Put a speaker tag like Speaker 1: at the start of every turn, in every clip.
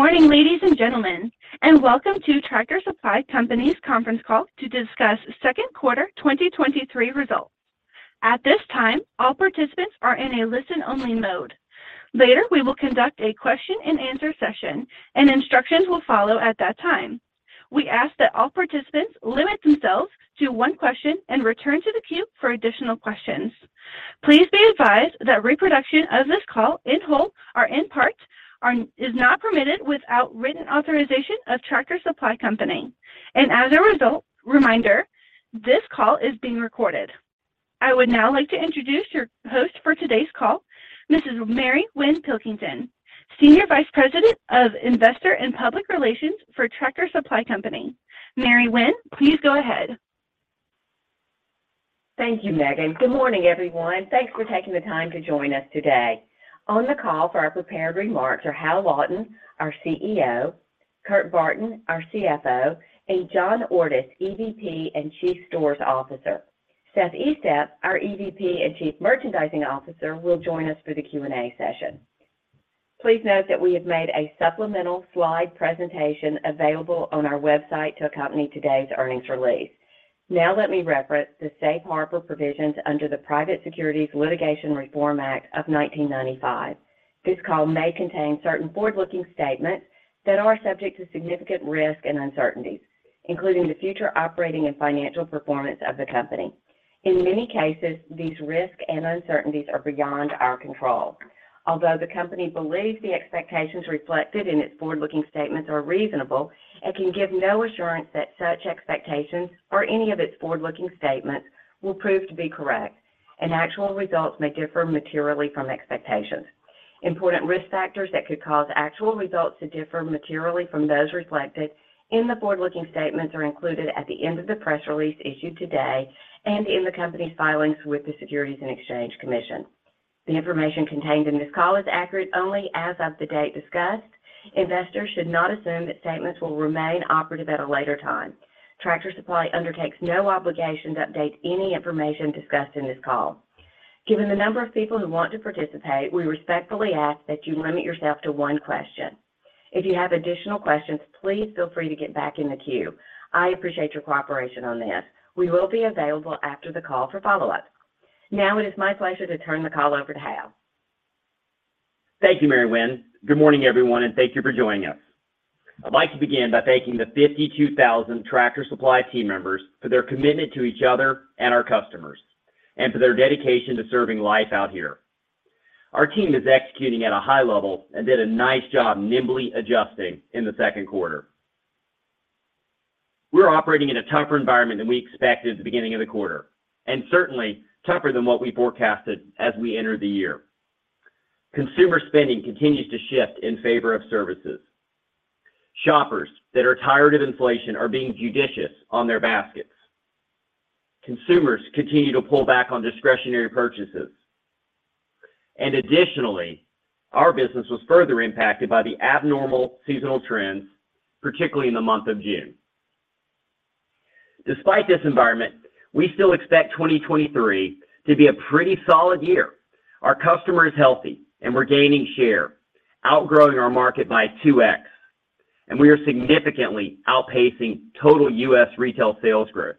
Speaker 1: Good morning, ladies and gentlemen, and welcome to Tractor Supply Company's conference call to discuss second quarter 2023 results. At this time, all participants are in a listen-only mode. Later, we will conduct a question-and-answer session, and instructions will follow at that time. We ask that all participants limit themselves to one question and return to the queue for additional questions. Please be advised that reproduction of this call in whole or in part is not permitted without written authorization of Tractor Supply Company. As a result, reminder, this call is being recorded. I would now like to introduce your host for today's call, Mrs. Mary Winn Pilkington, Senior Vice President of Investor and Public Relations for Tractor Supply Company. Mary Winn, please go ahead.
Speaker 2: Thank you, Megan. Good morning, everyone. Thanks for taking the time to join us today. On the call for our prepared remarks are Hal Lawton, our CEO, Kurt Barton, our CFO, and John Ordus, EVP and Chief Stores Officer. Seth Estep, our EVP and Chief Merchandising Officer, will join us for the Q&A session. Please note that we have made a supplemental slide presentation available on our website to accompany today's earnings release. Now, let me reference the Safe Harbor provisions under the Private Securities Litigation Reform Act of 1995. This call may contain certain forward-looking statements that are subject to significant risk and uncertainties, including the future operating and financial performance of the company. In many cases, these risks and uncertainties are beyond our control. Although the company believes the expectations reflected in its forward-looking statements are reasonable, it can give no assurance that such expectations or any of its forward-looking statements will prove to be correct, and actual results may differ materially from expectations. Important risk factors that could cause actual results to differ materially from those reflected in the forward-looking statements are included at the end of the press release issued today and in the company's filings with the Securities and Exchange Commission. The information contained in this call is accurate only as of the date discussed. Investors should not assume that statements will remain operative at a later time. Tractor Supply undertakes no obligation to update any information discussed in this call. Given the number of people who want to participate, we respectfully ask that you limit yourself to one question. If you have additional questions, please feel free to get back in the queue. I appreciate your cooperation on this. We will be available after the call for follow-up. Now, it is my pleasure to turn the call over to Hal.
Speaker 3: Thank you, Mary Winn. Good morning, everyone, thank you for joining us. I'd like to begin by thanking the 52,000 Tractor Supply team members for their commitment to each other and our customers, and for their dedication to serving Life Out Here. Our team is executing at a high level and did a nice job nimbly adjusting in the second quarter. We're operating in a tougher environment than we expected at the beginning of the quarter, and certainly tougher than what we forecasted as we entered the year. Consumer spending continues to shift in favor of services. Shoppers that are tired of inflation are being judicious on their baskets. Consumers continue to pull back on discretionary purchases. Additionally, our business was further impacted by the abnormal seasonal trends, particularly in the month of June. Despite this environment, we still expect 2023 to be a pretty solid year. Our customer is healthy and we're gaining share, outgrowing our market by 2x, and we are significantly outpacing total U.S. retail sales growth.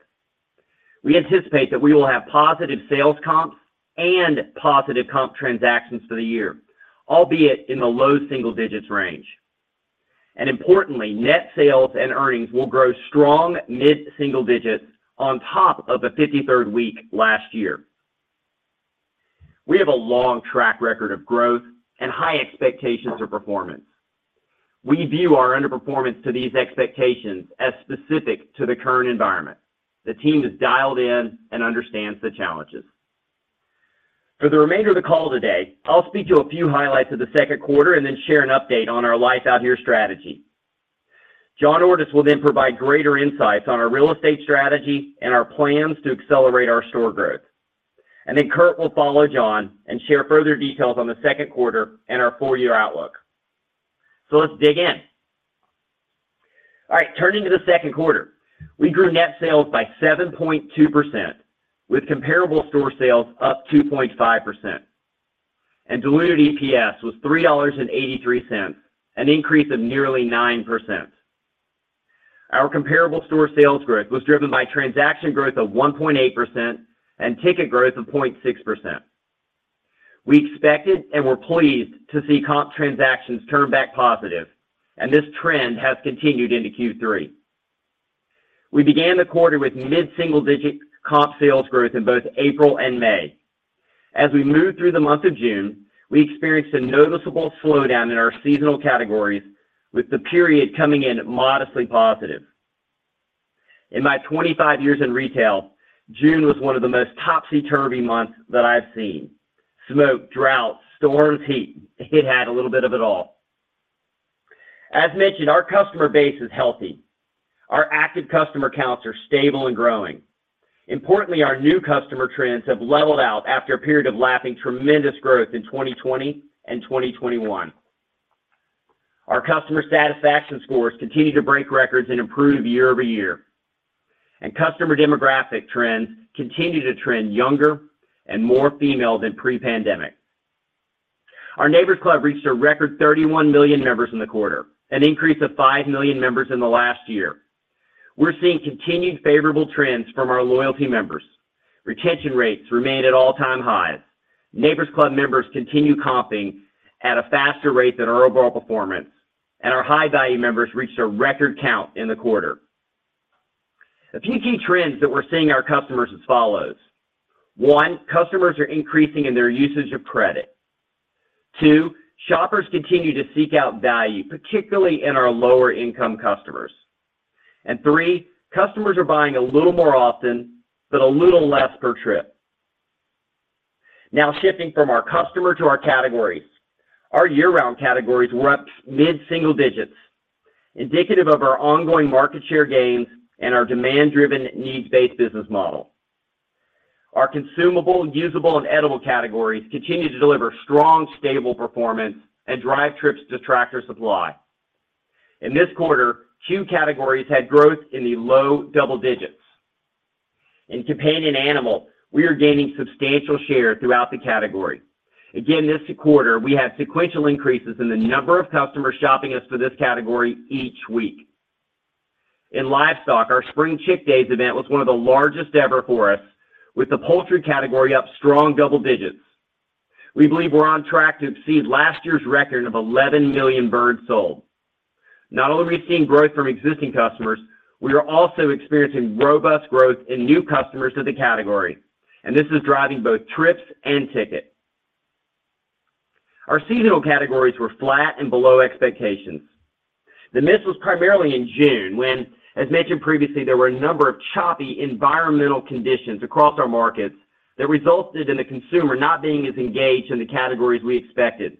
Speaker 3: We anticipate that we will have positive sales comps and positive comp transactions for the year, albeit in the low single digits range. Importantly, net sales and earnings will grow strong mid-single digits on top of the 53rd week last year. We have a long track record of growth and high expectations of performance. We view our underperformance to these expectations as specific to the current environment. The team is dialed in and understands the challenges. For the remainder of the call today, I'll speak to a few highlights of the second quarter and then share an update on our Life Out Here strategy. John Ordus will provide greater insights on our real estate strategy and our plans to accelerate our store growth. Kurt will follow John and share further details on the second quarter and our four-year outlook. Let's dig in. All right, turning to the second quarter, we grew net sales by 7.2%, with comparable store sales up 2.5%, and diluted EPS was $3.83, an increase of nearly 9%. Our comparable store sales growth was driven by transaction growth of 1.8% and ticket growth of 0.6%. We expected and were pleased to see comp transactions turn back positive, and this trend has continued into Q3. We began the quarter with mid-single-digit comp sales growth in both April and May. As we moved through the month of June, we experienced a noticeable slowdown in our seasonal categories, with the period coming in modestly positive. In my 25 years in retail, June was one of the most topsy-turvy months that I've seen. Smoke, droughts, storms, heat, it had a little bit of it all. As mentioned, our customer base is healthy. Our active customer counts are stable and growing. Importantly, our new customer trends have leveled out after a period of lapping tremendous growth in 2020 and 2021. Our customer satisfaction scores continue to break records and improve year-over-year. Customer demographic trends continue to trend younger and more female than pre-pandemic. Our Neighbor's Club reached a record 31 million members in the quarter, an increase of 5 million members in the last year. We're seeing continued favorable trends from our loyalty members. Retention rates remained at all-time highs. Neighbor's Club members continue comping at a faster rate than our overall performance, and our high-value members reached a record count in the quarter. A few key trends that we're seeing in our customers as follows: 1, customers are increasing in their usage of credit. 2, shoppers continue to seek out value, particularly in our lower-income customers. 3, customers are buying a little more often, but a little less per trip. Shifting from our customer to our categories. Our year-round categories were up mid-single digits, indicative of our ongoing market share gains and our demand-driven, needs-based business model. Our consumable, usable, and edible categories continue to deliver strong, stable performance and drive trips to Tractor Supply. This quarter, 2 categories had growth in the low double digits. In companion animal, we are gaining substantial share throughout the category. This quarter, we had sequential increases in the number of customers shopping us for this category each week. In livestock, our Spring Chick Days event was one of the largest ever for us, with the poultry category up strong double digits. We believe we're on track to exceed last year's record of 11 million birds sold. Not only are we seeing growth from existing customers, we are also experiencing robust growth in new customers to the category, and this is driving both trips and ticket. Our seasonal categories were flat and below expectations. The miss was primarily in June, when, as mentioned previously, there were a number of choppy environmental conditions across our markets that resulted in the consumer not being as engaged in the categories we expected.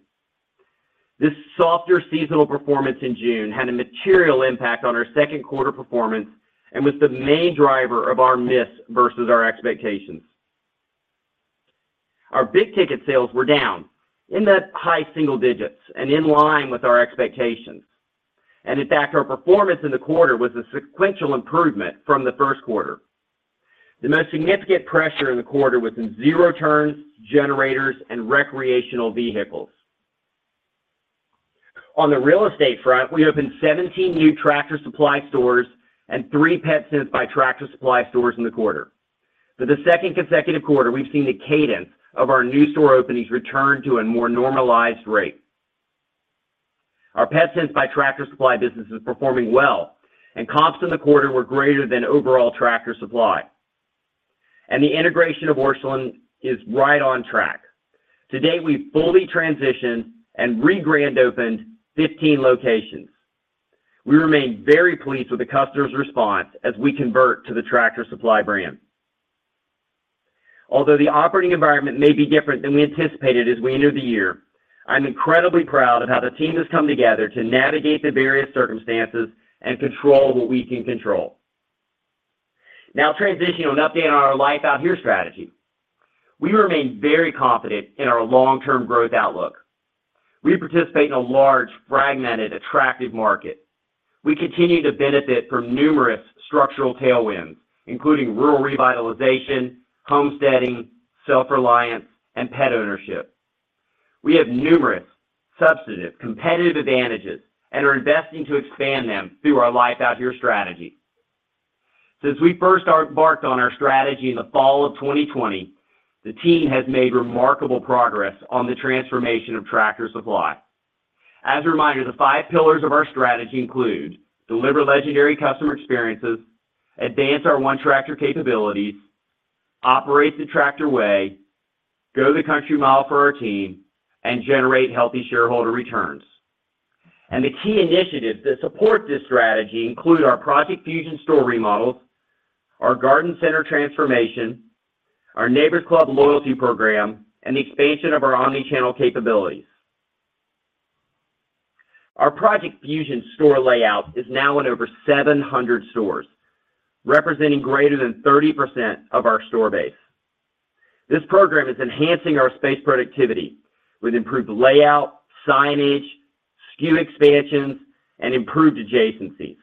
Speaker 3: This softer seasonal performance in June had a material impact on our second quarter performance and was the main driver of our miss versus our expectations. Our big ticket sales were down in the high single digits and in line with our expectations. In fact, our performance in the quarter was a sequential improvement from the first quarter. The most significant pressure in the quarter was in zero-turns, generators, and recreational vehicles. On the real estate front, we opened 17 new Tractor Supply stores and 3 PetSense by Tractor Supply stores in the quarter. For the second consecutive quarter, we've seen the cadence of our new store openings return to a more normalized rate. Our PetSense by Tractor Supply business is performing well, and comps in the quarter were greater than overall Tractor Supply. The integration of Orscheln is right on track. To date, we've fully transitioned and re-grand opened 15 locations. We remain very pleased with the customers' response as we convert to the Tractor Supply brand. Although the operating environment may be different than we anticipated as we entered the year, I'm incredibly proud of how the team has come together to navigate the various circumstances and control what we can control. Transitioning on updating our Life Out Here strategy. We remain very confident in our long-term growth outlook. We participate in a large, fragmented, attractive market. We continue to benefit from numerous structural tailwinds, including rural revitalization, homesteading, self-reliance, and pet ownership. We have numerous substantive competitive advantages and are investing to expand them through our Life Out Here strategy. Since we first embarked on our strategy in the fall of 2020, the team has made remarkable progress on the transformation of Tractor Supply. As a reminder, the five pillars of our strategy include: deliver legendary customer experiences, advance our one Tractor capabilities, operate the Tractor way, go the country mile for our team, and generate healthy shareholder returns. The key initiatives that support this strategy include our Project Fusion store remodels, our garden center transformation, our Neighbor's Club loyalty program, and the expansion of our omni-channel capabilities. Our Project Fusion store layout is now in over 700 stores, representing greater than 30% of our store base. This program is enhancing our space productivity with improved layout, signage, SKU expansions, and improved adjacencies.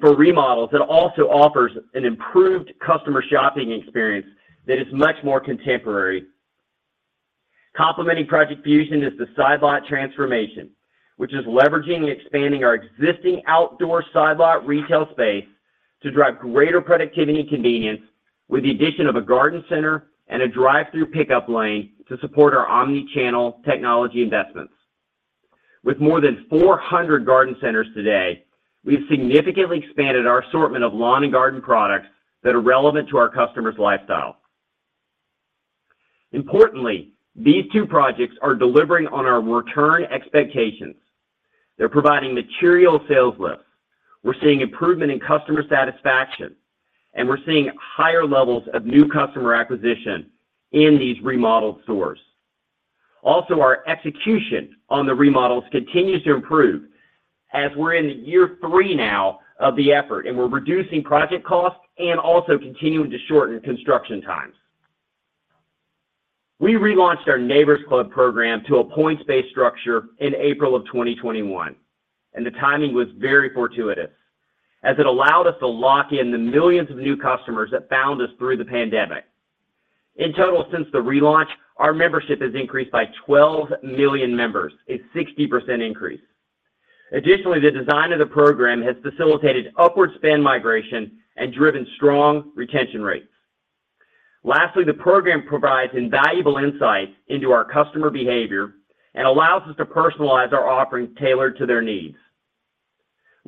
Speaker 3: For remodels, it also offers an improved customer shopping experience that is much more contemporary. Complementing Project Fusion is the side lot transformation, which is leveraging and expanding our existing outdoor side lot retail space to drive greater productivity and convenience with the addition of a garden center and a drive-thru pickup lane to support our omni-channel technology investments. With more than 400 garden centers today, we've significantly expanded our assortment of lawn and garden products that are relevant to our customers' lifestyle. Importantly, these two projects are delivering on our return expectations. They're providing material sales lift. We're seeing improvement in customer satisfaction, and we're seeing higher levels of new customer acquisition in these remodeled stores. Also, our execution on the remodels continues to improve as we're in year 3 now of the effort, and we're reducing project costs and also continuing to shorten construction times.... We relaunched our Neighbor's Club program to a points-based structure in April of 2021. The timing was very fortuitous, as it allowed us to lock in the millions of new customers that found us through the pandemic. In total, since the relaunch, our membership has increased by 12 million members, a 60% increase. Additionally, the design of the program has facilitated upward spend migration and driven strong retention rates. Lastly, the program provides invaluable insight into our customer behavior and allows us to personalize our offerings tailored to their needs.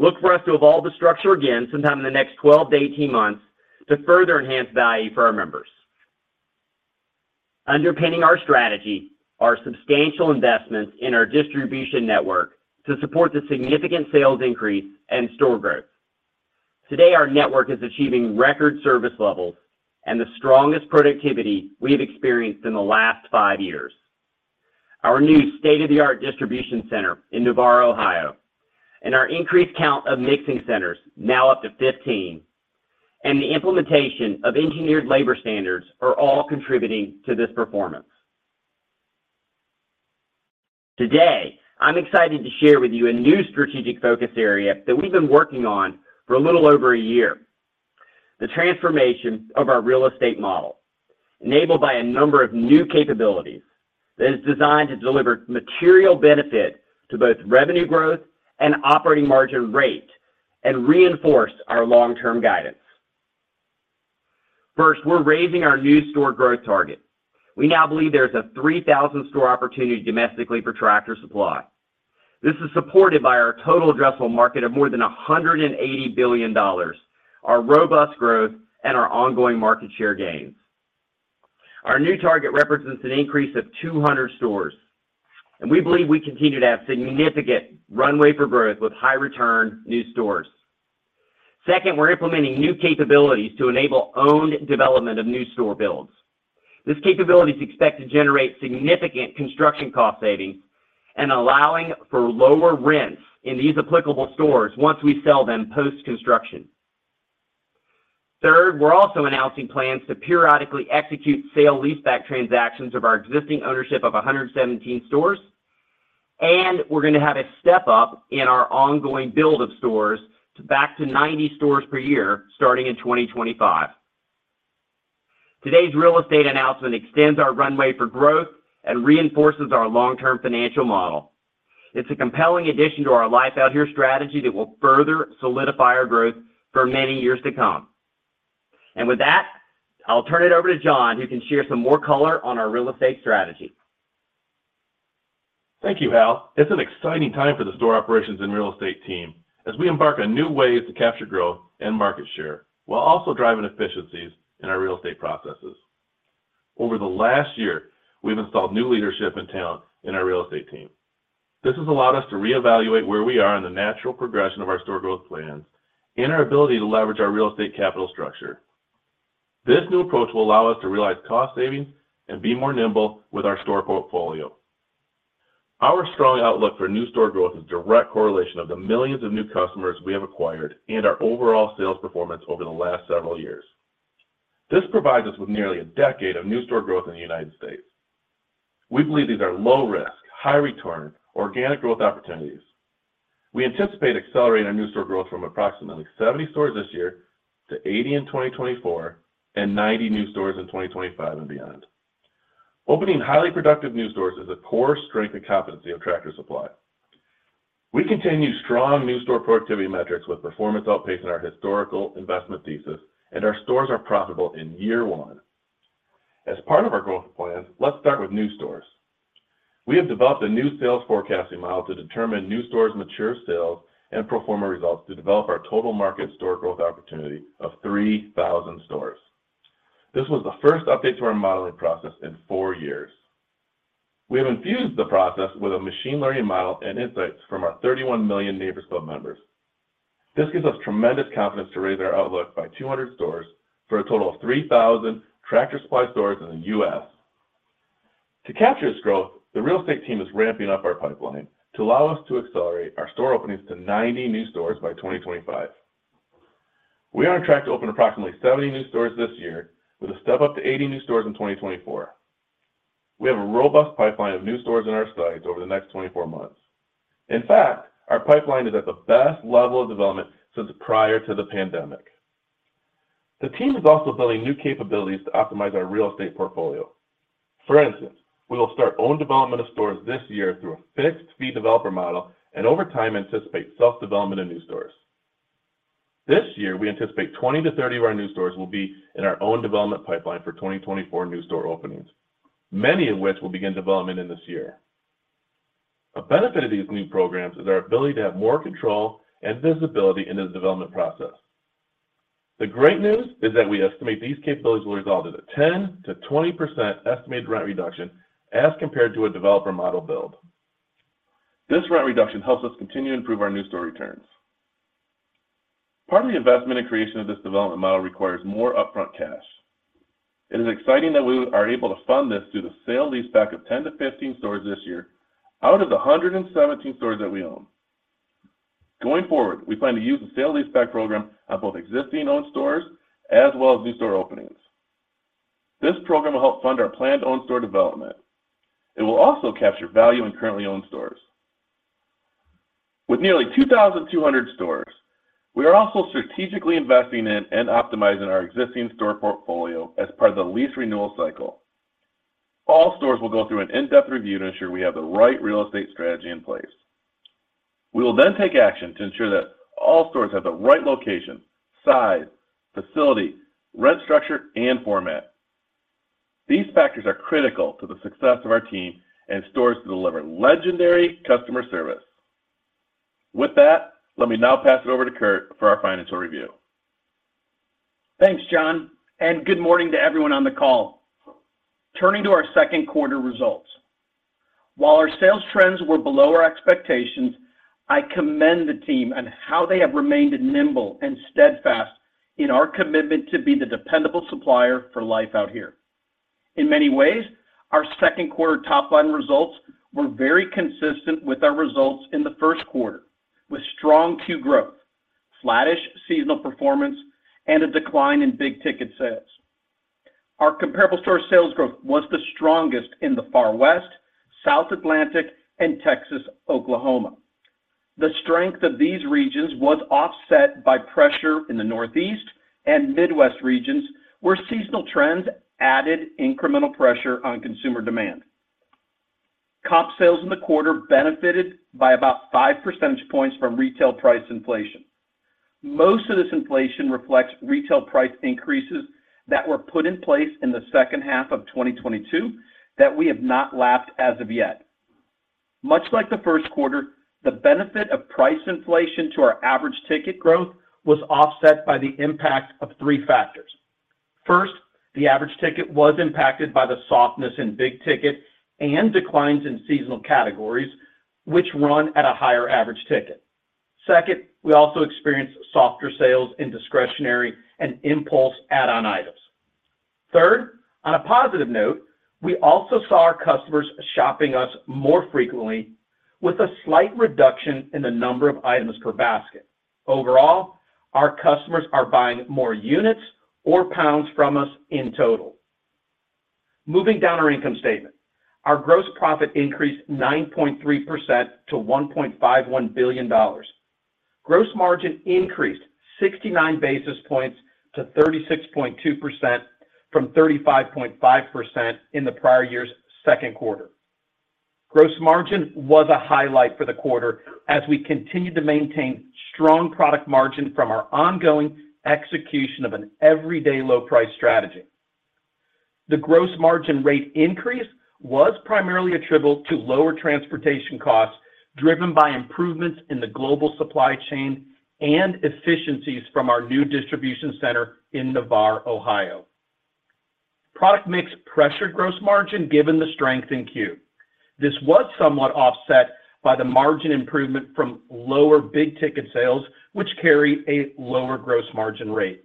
Speaker 3: Look for us to evolve the structure again sometime in the next 12-18 months to further enhance value for our members. Underpinning our strategy are substantial investments in our distribution network to support the significant sales increase and store growth. Today, our network is achieving record service levels and the strongest productivity we have experienced in the last five years. Our new state-of-the-art distribution center in Navarre, Ohio, and our increased count of mixing centers, now up to 15, and the implementation of engineered labor standards are all contributing to this performance. Today, I'm excited to share with you a new strategic focus area that we've been working on for a little over a year. The transformation of our real estate model, enabled by a number of new capabilities, that is designed to deliver material benefit to both revenue growth and operating margin rate and reinforce our long-term guidance. We're raising our new store growth target. We now believe there's a 3,000 store opportunity domestically for Tractor Supply. This is supported by our total addressable market of more than $180 billion, our robust growth, and our ongoing market share gains. Our new target represents an increase of 200 stores. We believe we continue to have significant runway for growth with high return new stores. Second, we're implementing new capabilities to enable owned development of new store builds. This capability is expected to generate significant construction cost savings and allowing for lower rents in these applicable stores once we sell them post-construction. Third, we're also announcing plans to periodically execute sale leaseback transactions of our existing ownership of 117 stores. We're gonna have a step-up in our ongoing build of stores to back to 90 stores per year, starting in 2025. Today's real estate announcement extends our runway for growth and reinforces our long-term financial model. It's a compelling addition to our Life Out Here strategy that will further solidify our growth for many years to come. With that, I'll turn it over to John, who can share some more color on our real estate strategy.
Speaker 4: Thank you, Hal. It's an exciting time for the store operations and real estate team as we embark on new ways to capture growth and market share, while also driving efficiencies in our real estate processes. Over the last year, we've installed new leadership and talent in our real estate team. This has allowed us to reevaluate where we are in the natural progression of our store growth plans and our ability to leverage our real estate capital structure. This new approach will allow us to realize cost savings and be more nimble with our store portfolio. Our strong outlook for new store growth is a direct correlation of the millions of new customers we have acquired and our overall sales performance over the last several years. This provides us with nearly a decade of new store growth in the United States. We believe these are low risk, high return, organic growth opportunities. We anticipate accelerating our new store growth from approximately 70 stores this year to 80 in 2024, and 90 new stores in 2025 and beyond. Opening highly productive new stores is a core strength and competency of Tractor Supply. We continue strong new store productivity metrics, with performance outpacing our historical investment thesis, and our stores are profitable in year 1. As part of our growth plans, let's start with new stores. We have developed a new sales forecasting model to determine new stores' mature sales and pro forma results to develop our total market store growth opportunity of 3,000 stores. This was the first update to our modeling process in 4 years. We have infused the process with a machine learning model and insights from our 31 million Neighbor's Club members. This gives us tremendous confidence to raise our outlook by 200 stores for a total of 3,000 Tractor Supply stores in the U.S. To capture this growth, the real estate team is ramping up our pipeline to allow us to accelerate our store openings to 90 new stores by 2025. We are on track to open approximately 70 new stores this year, with a step up to 80 new stores in 2024. We have a robust pipeline of new stores in our sites over the next 24 months. In fact, our pipeline is at the best level of development since prior to the pandemic. The team is also building new capabilities to optimize our real estate portfolio. For instance, we will start own development of stores this year through a fixed fee developer model and over time, anticipate self-development of new stores. This year, we anticipate 20-30 of our new stores will be in our own development pipeline for 2024 new store openings, many of which will begin development in this year. A benefit of these new programs is our ability to have more control and visibility in the development process. The great news is that we estimate these capabilities will result in a 10%-20% estimated rent reduction as compared to a developer model build. This rent reduction helps us continue to improve our new store returns. Part of the investment and creation of this development model requires more upfront cash. It is exciting that we are able to fund this through the sale leaseback of 10-15 stores this year out of the 117 stores that we own. Going forward, we plan to use the sale-leaseback program on both existing owned stores as well as new store openings. This program will help fund our planned owned store development. It will also capture value in currently owned stores. With nearly 2,200 stores, we are also strategically investing in and optimizing our existing store portfolio as part of the lease renewal cycle. All stores will go through an in-depth review to ensure we have the right real estate strategy in place. We will then take action to ensure that all stores have the right location, size, facility, rent structure, and format. These factors are critical to the success of our team and stores to deliver legendary customer service. Let me now pass it over to Kurt for our financial review.
Speaker 5: Thanks, John. Good morning to everyone on the call. Turning to our second quarter results. While our sales trends were below our expectations, I commend the team on how they have remained nimble and steadfast in our commitment to be the dependable supplier for Life Out Here. In many ways, our second quarter top-line results were very consistent with our results in the first quarter, with strong two growth, flattish seasonal performance, and a decline in big ticket sales. Our comparable store sales growth was the strongest in the Far West, South Atlantic, and Texas, Oklahoma. The strength of these regions was offset by pressure in the Northeast and Midwest regions, where seasonal trends added incremental pressure on consumer demand. Comp sales in the quarter benefited by about five percentage points from retail price inflation. Most of this inflation reflects retail price increases that were put in place in the second half of 2022, that we have not lapped as of yet. Much like the first quarter, the benefit of price inflation to our average ticket growth was offset by the impact of three factors. First, the average ticket was impacted by the softness in big ticket and declines in seasonal categories, which run at a higher average ticket. Second, we also experienced softer sales in discretionary and impulse add-on items. Third, on a positive note, we also saw our customers shopping us more frequently with a slight reduction in the number of items per basket. Overall, our customers are buying more units or pounds from us in total. Moving down our income statement, our gross profit increased 9.3% to $1.51 billion. Gross margin increased 69 basis points to 36.2% from 35.5% in the prior year's second quarter. Gross margin was a highlight for the quarter as we continued to maintain strong product margin from our ongoing execution of an everyday low price strategy. The gross margin rate increase was primarily attributable to lower transportation costs, driven by improvements in the global supply chain and efficiencies from our new distribution center in Navarre, Ohio. Product mix pressured gross margin given the strengthen Q. This was somewhat offset by the margin improvement from lower big ticket sales, which carry a lower gross margin rate.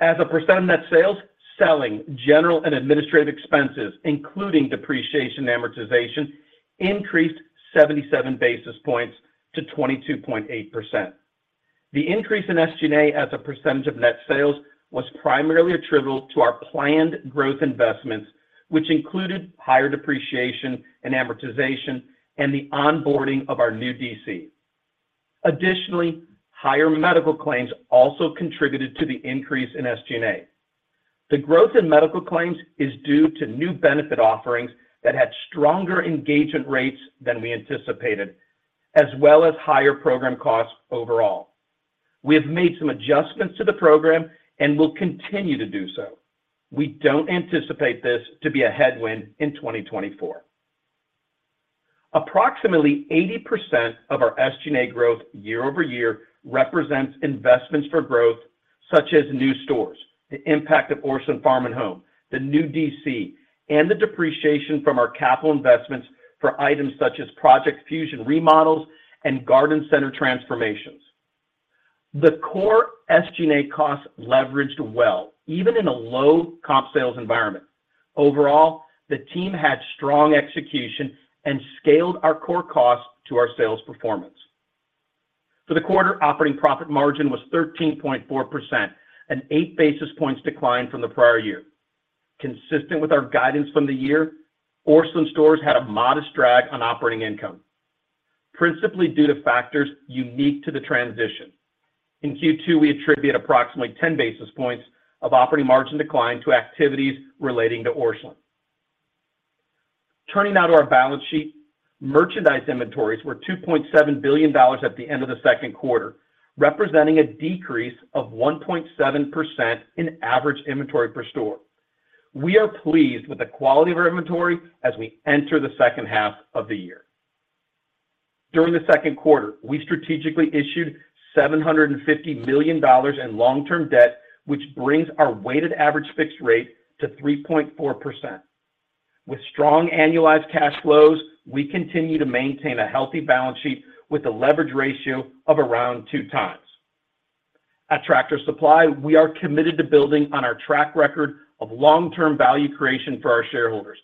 Speaker 5: As a percent of net sales, selling, general and administrative expenses, including depreciation and amortization, increased 77 basis points to 22.8%. The increase in SG&A as a percentage of net sales was primarily attributable to our planned growth investments, which included higher depreciation and amortization and the onboarding of our new DC. Additionally, higher medical claims also contributed to the increase in SG&A. The growth in medical claims is due to new benefit offerings that had stronger engagement rates than we anticipated, as well as higher program costs overall. We have made some adjustments to the program and will continue to do so. We don't anticipate this to be a headwind in 2024. Approximately 80% of our SG&A growth year-over-year represents investments for growth, such as new stores, the impact of Orscheln Farm & Home, the new DC, and the depreciation from our capital investments for items such as Project Fusion remodels and garden center transformations. The core SG&A costs leveraged well, even in a low comp sales environment. Overall, the team had strong execution and scaled our core costs to our sales performance. For the quarter, operating profit margin was 13.4%, an 8 basis points decline from the prior year. Consistent with our guidance from the year, Orscheln stores had a modest drag on operating income, principally due to factors unique to the transition. In Q2, we attribute approximately 10 basis points of operating margin decline to activities relating to Orscheln. Turning now to our balance sheet, merchandise inventories were $2.7 billion at the end of the second quarter, representing a decrease of 1.7% in average inventory per store. We are pleased with the quality of our inventory as we enter the second half of the year. During the second quarter, we strategically issued $750 million in long-term debt, which brings our weighted average fixed rate to 3.4%. With strong annualized cash flows, we continue to maintain a healthy balance sheet with a leverage ratio of around 2 times. At Tractor Supply, we are committed to building on our track record of long-term value creation for our shareholders.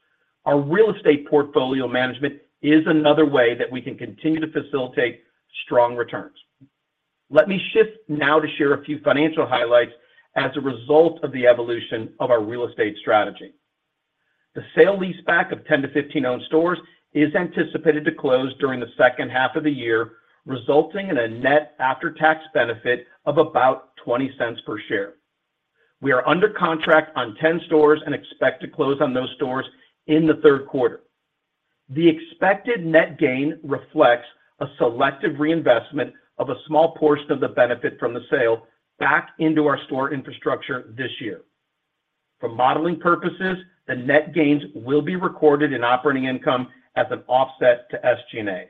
Speaker 5: Our real estate portfolio management is another way that we can continue to facilitate strong returns. Let me shift now to share a few financial highlights as a result of the evolution of our real estate strategy. The sale leaseback of 10-15 owned stores is anticipated to close during the second half of the year, resulting in a net after-tax benefit of about $0.20 per share. We are under contract on 10 stores and expect to close on those stores in the third quarter. The expected net gain reflects a selective reinvestment of a small portion of the benefit from the sale back into our store infrastructure this year. For modeling purposes, the net gains will be recorded in operating income as an offset to SG&A.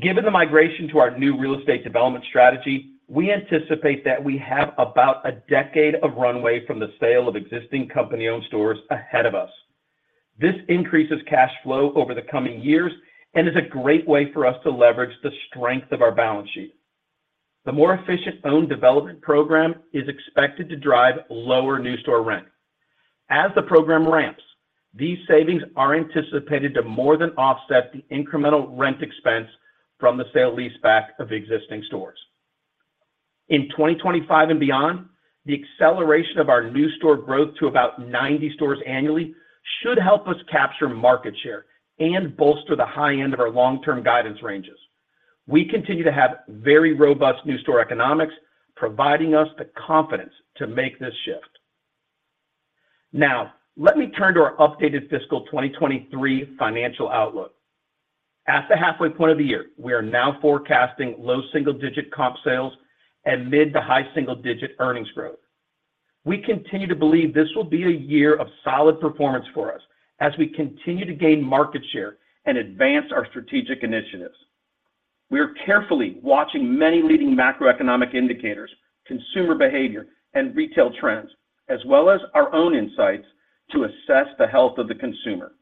Speaker 5: Given the migration to our new real estate development strategy, we anticipate that we have about a decade of runway from the sale of existing company-owned stores ahead of us. This increases cash flow over the coming years and is a great way for us to leverage the strength of our balance sheet. The more efficient owned development program is expected to drive lower new store rent. As the program ramps, these savings are anticipated to more than offset the incremental rent expense from the sale leaseback of existing stores. In 2025 and beyond, the acceleration of our new store growth to about 90 stores annually should help us capture market share and bolster the high end of our long-term guidance ranges. We continue to have very robust new store economics, providing us the confidence to make this shift. Let me turn to our updated fiscal 2023 financial outlook. At the halfway point of the year, we are now forecasting low single-digit comp sales and mid to high single-digit earnings growth. We continue to believe this will be a year of solid performance for us as we continue to gain market share and advance our strategic initiatives. We are carefully watching many leading macroeconomic indicators, consumer behavior, and retail trends, as well as our own insights, to assess the health of the consumer.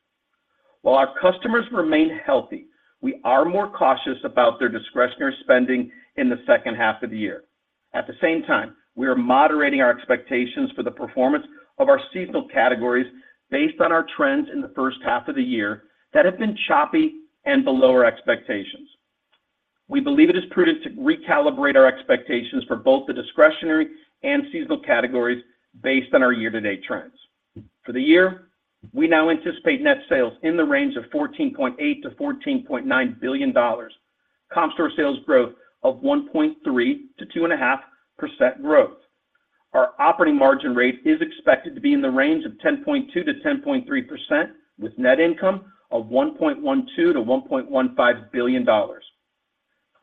Speaker 5: While our customers remain healthy, we are more cautious about their discretionary spending in the second half of the year. At the same time, we are moderating our expectations for the performance of our seasonal categories based on our trends in the first half of the year that have been choppy and below our expectations. We believe it is prudent to recalibrate our expectations for both the discretionary and seasonal categories based on our year-to-date trends. For the year, we now anticipate net sales in the range of $14.8 billion-$14.9 billion, comp store sales growth of 1.3%-2.5% growth. Our operating margin rate is expected to be in the range of 10.2%-10.3%, with net income of $1.12 billion-$1.15 billion.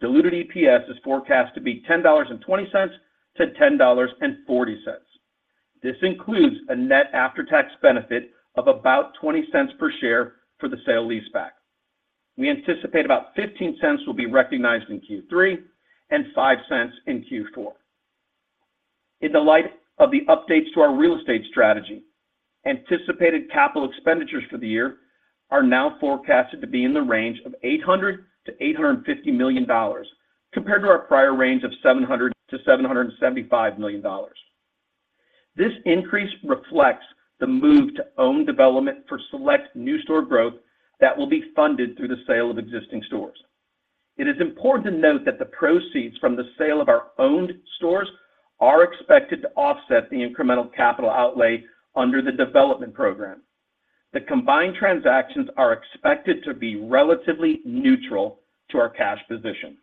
Speaker 5: Diluted EPS is forecast to be $10.20-$10.40. This includes a net after-tax benefit of about $0.20 per share for the sale leaseback. We anticipate about $0.15 will be recognized in Q3 and $0.05 in Q4. In the light of the updates to our real estate strategy, anticipated capital expenditures for the year are now forecasted to be in the range of $800 million-$850 million, compared to our prior range of $700 million-$775 million. This increase reflects the move to own development for select new store growth that will be funded through the sale of existing stores. It is important to note that the proceeds from the sale of our owned stores are expected to offset the incremental capital outlay under the development program. The combined transactions are expected to be relatively neutral to our cash position.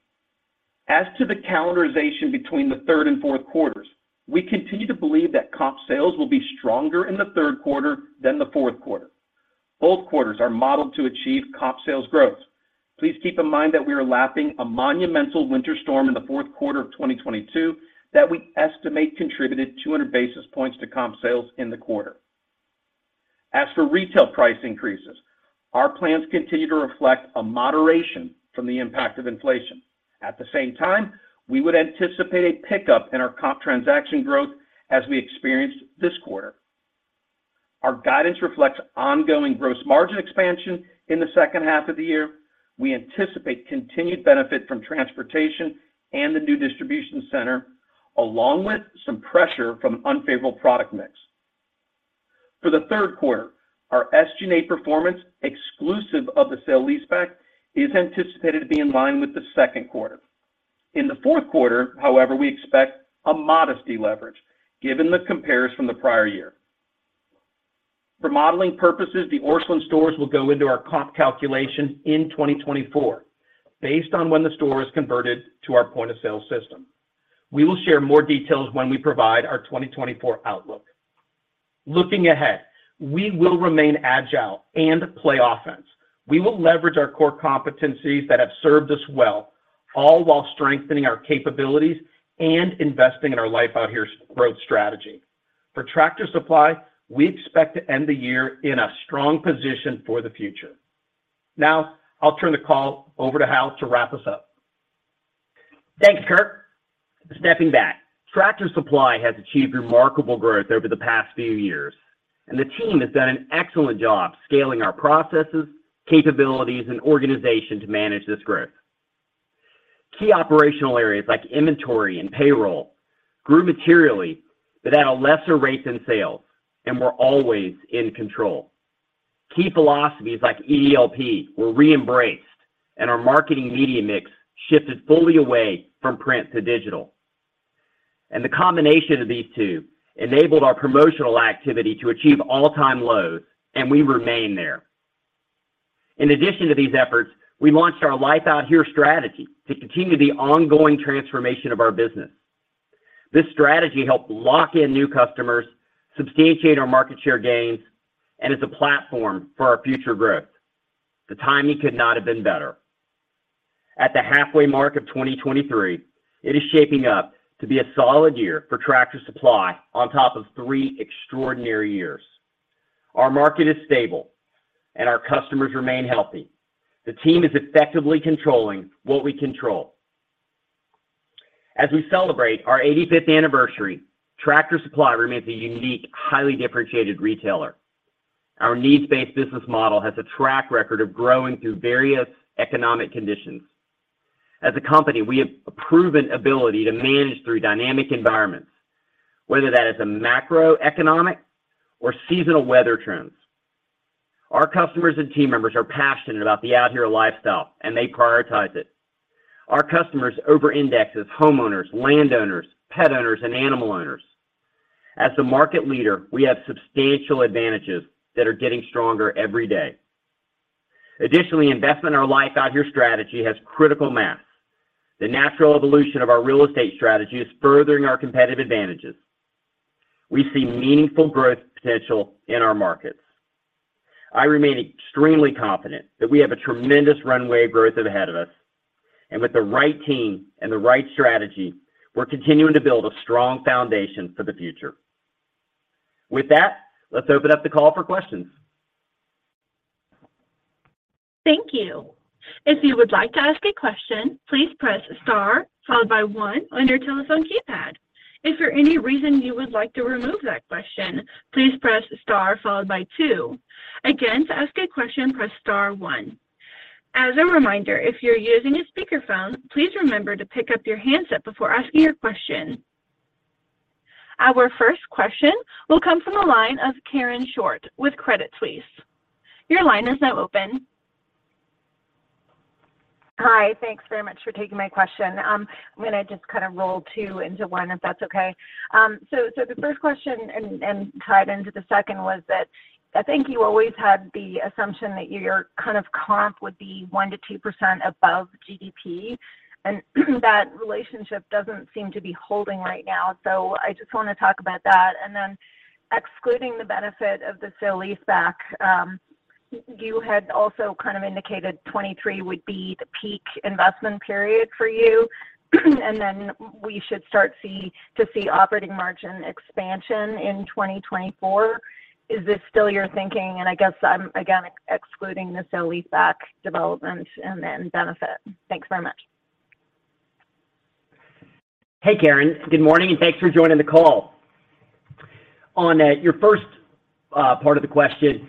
Speaker 5: As to the calendarization between the third and fourth quarters, we continue to believe that comp sales will be stronger in the third quarter than the fourth quarter. Both quarters are modeled to achieve comp sales growth. Please keep in mind that we are lapping a monumental winter storm in the fourth quarter of 2022, that we estimate contributed 200 basis points to comp sales in the quarter. As for retail price increases, our plans continue to reflect a moderation from the impact of inflation. At the same time, we would anticipate a pickup in our comp transaction growth as we experienced this quarter. Our guidance reflects ongoing gross margin expansion in the second half of the year. We anticipate continued benefit from transportation and the new distribution center, along with some pressure from unfavorable product mix. For the third quarter, our SG&A performance, exclusive of the sale leaseback, is anticipated to be in line with the second quarter. In the fourth quarter, however, we expect a modesty leverage, given the compares from the prior year. For modeling purposes, the Orscheln stores will go into our comp calculation in 2024, based on when the store is converted to our point of sale system. We will share more details when we provide our 2024 outlook. Looking ahead, we will remain agile and play offense. We will leverage our core competencies that have served us well, all while strengthening our capabilities and investing in our Life Out Here growth strategy. For Tractor Supply, we expect to end the year in a strong position for the future. Now, I'll turn the call over to Hal to wrap us up.
Speaker 3: Thanks, Kirk. Stepping back, Tractor Supply has achieved remarkable growth over the past few years. The team has done an excellent job scaling our processes, capabilities, and organization to manage this growth. Key operational areas like inventory and payroll grew materially, but at a lesser rate than sales, and were always in control. Key philosophies like ELP were re-embraced, and our marketing media mix shifted fully away from print to digital. The combination of these two enabled our promotional activity to achieve all-time lows, and we remain there. In addition to these efforts, we launched our Life Out Here strategy to continue the ongoing transformation of our business. This strategy helped lock in new customers, substantiate our market share gains, and is a platform for our future growth. The timing could not have been better. At the halfway mark of 2023, it is shaping up to be a solid year for Tractor Supply on top of three extraordinary years. Our market is stable, and our customers remain healthy. The team is effectively controlling what we control. As we celebrate our 85th anniversary, Tractor Supply remains a unique, highly differentiated retailer. Our needs-based business model has a track record of growing through various economic conditions. As a company, we have a proven ability to manage through dynamic environments, whether that is a macroeconomic or seasonal weather trends. Our customers and team members are passionate about the Out Here lifestyle, and they prioritize it. Our customers over-index as homeowners, landowners, pet owners, and animal owners. As the market leader, we have substantial advantages that are getting stronger every day. Additionally, investment in our Life Out Here strategy has critical mass. The natural evolution of our real estate strategy is furthering our competitive advantages. We see meaningful growth potential in our markets. I remain extremely confident that we have a tremendous runway of growth ahead of us, and with the right team and the right strategy, we're continuing to build a strong foundation for the future. With that, let's open up the call for questions.
Speaker 1: Thank you. If you would like to ask a question, please press Star followed by one on your telephone keypad. If for any reason you would like to remove that question, please press Star followed by two. Again, to ask a question, press Star one. As a reminder, if you're using a speakerphone, please remember to pick up your handset before asking your question. Our first question will come from the line of Karen Short with Credit Suisse. Your line is now open.
Speaker 6: Hi, thanks very much for taking my question. I'm gonna just kind of roll 2 into 1, if that's okay. The first question and tied into the second was that I think you always had the assumption that your kind of comp would be 1%-2% above GDP, and that relationship doesn't seem to be holding right now. I just wanna talk about that, excluding the benefit of the sale leaseback, you had also kind of indicated 2023 would be the peak investment period for you, we should start to see operating margin expansion in 2024. Is this still your thinking? I guess I'm, again, excluding the sale leaseback development benefit. Thanks very much.
Speaker 3: Hey, Karen. Good morning, thanks for joining the call. On your first part of the question,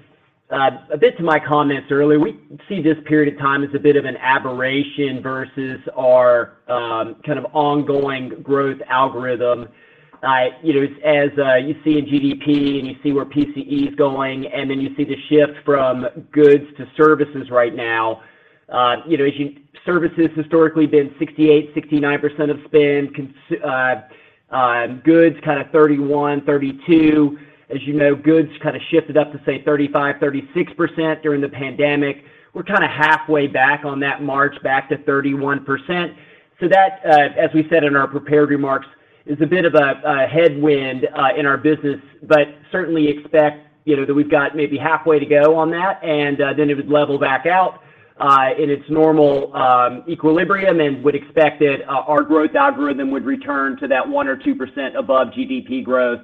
Speaker 3: a bit to my comments earlier, we see this period of time as a bit of an aberration versus our kind of ongoing growth algorithm. You know, as you see in GDP, you see where PCE is going, then you see the shift from goods to services right now, you know, as services historically been 68%, 69% of spend, goods, kinda 31%, 32%. As you know, goods kinda shifted up to, say, 35%, 36% during the pandemic. We're kinda halfway back on that march back to 31%. That, as we said in our prepared remarks, is a bit of a headwind in our business, but certainly expect, you know, that we've got maybe halfway to go on that, and then it would level back out in its normal equilibrium, and would expect that our growth algorithm would return to that 1% or 2% above GDP growth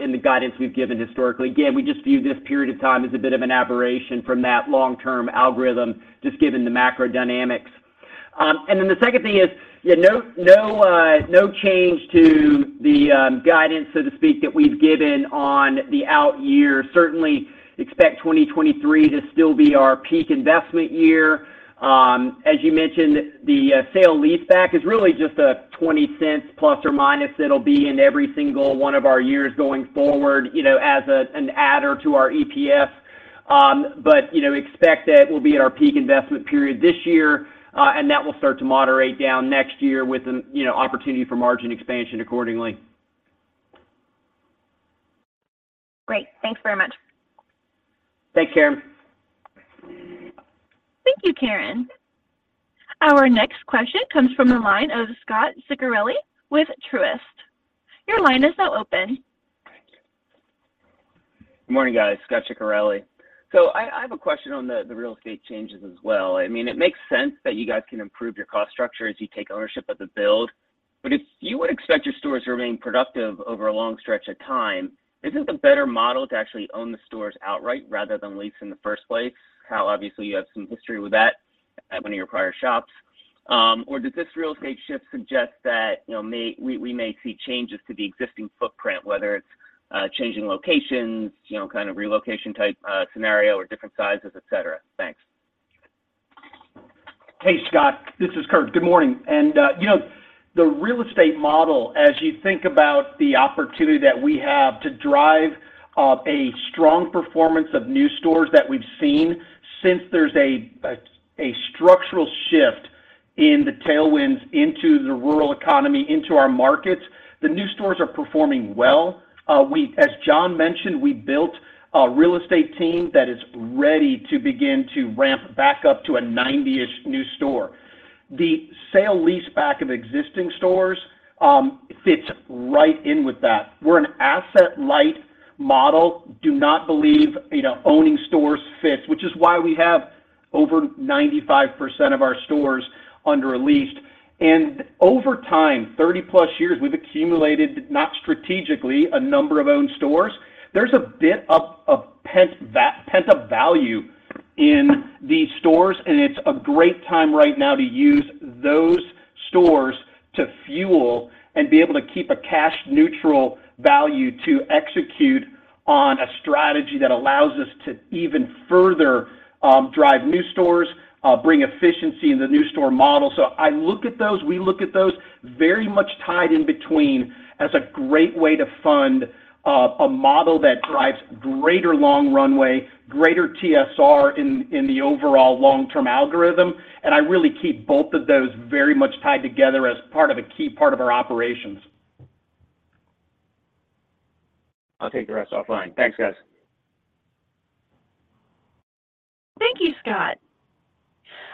Speaker 3: in the guidance we've given historically. We just view this period of time as a bit of an aberration from that long-term algorithm, just given the macro dynamics. The second thing is, yeah, no, no change to the guidance, so to speak, that we've given on the out years. Certainly expect 2023 to still be our peak investment year. As you mentioned, the sale leaseback is really just a $0.20 ±. It'll be in every single one of our years going forward, you know, as an adder to our EPS. You know, expect that we'll be at our peak investment period this year, and that will start to moderate down next year with an, you know, opportunity for margin expansion accordingly.
Speaker 6: Great. Thanks very much.
Speaker 3: Thanks, Karen.
Speaker 1: Thank you, Karen. Our next question comes from the line of Scot Ciccarelli with Truist. Your line is now open.
Speaker 7: Thank you. Good morning, guys. Scot Ciccarelli. I have a question on the real estate changes as well. I mean, it makes sense that you guys can improve your cost structure as you take ownership of the build, but if you would expect your stores to remain productive over a long stretch of time, isn't the better model to actually own the stores outright rather than lease in the first place? Hal, obviously, you have some history with that at one of your prior shops, or does this real estate shift suggest that, you know, we may see changes to the existing footprint, whether it's changing locations, you know, kind of relocation-type scenario or different sizes, et cetera? Thanks.
Speaker 3: Hey, Scot, this is Kurt. Good morning. You know, the real estate model, as you think about the opportunity that we have to drive a strong performance of new stores that we've seen, since there's a structural shift in the tailwinds into the rural economy, into our markets, the new stores are performing well. We, as John mentioned, we built a real estate team that is ready to begin to ramp back up to a 90-ish new store. The sale leaseback of existing stores fits right in with that. We're an asset-light model. Do not believe, you know, owning stores fits, which is why we have over 95% of our stores under a lease. Over time, 30-plus years, we've accumulated, not strategically, a number of owned stores. There's a bit of pent-up value in these stores, and it's a great time right now to use those stores to fuel and be able to keep a cash-neutral value to execute on a strategy that allows us to even further, drive new stores, bring efficiency in the new store model. I look at those, we look at those very much tied in between as a great way to fund, a model that drives greater long runway, greater TSR in the overall long-term algorithm. I really keep both of those very much tied together as part of a key part of our operations.
Speaker 7: I'll take the rest offline. Thanks, guys.
Speaker 1: Thank you, Scot.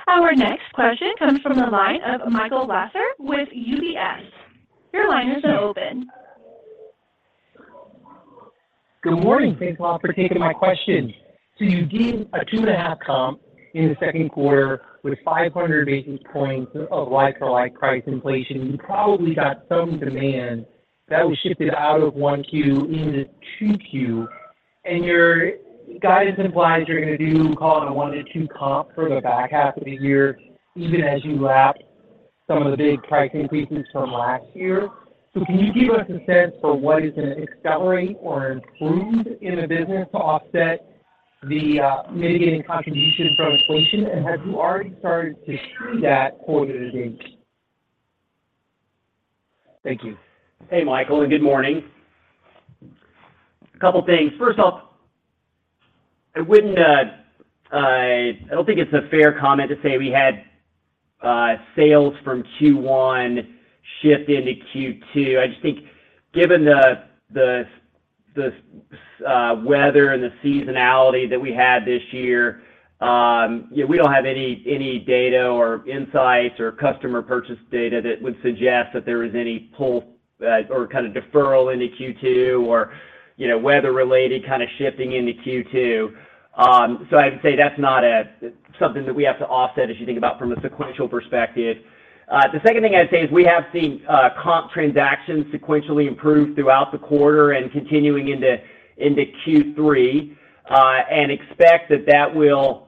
Speaker 1: Our next question comes from the line of Michael Lasser with UBS. Your line is now open.
Speaker 8: Good morning. Thanks a lot for taking my question. You gave a 2.5 comp in the second quarter with 500 basis points of like-for-like price inflation. You probably got some demand that was shifted out of 1Q. into 2Q. Your guidance implies you're gonna do, call it, a 1-2 comp for the back half of the year, even as you lap some of the big price increases from last year. Can you give us a sense for what is going to accelerate or improve in the business to offset the mitigating contribution from inflation? Have you already started to see that quarter to date? Thank you.
Speaker 3: Hey, Michael, good morning. A couple of things. First off, I wouldn't, I don't think it's a fair comment to say we had sales from Q1 shift into Q2. I just think given the weather and the seasonality that we had this year, we don't have any data or insights or customer purchase data that would suggest that there was any pull or kind of deferral into Q2 or, you know, weather-related kind of shifting into Q2. I'd say that's not something that we have to offset as you think about from a sequential perspective. The second thing I'd say is we have seen comp transactions sequentially improve throughout the quarter and continuing into Q3, expect that that will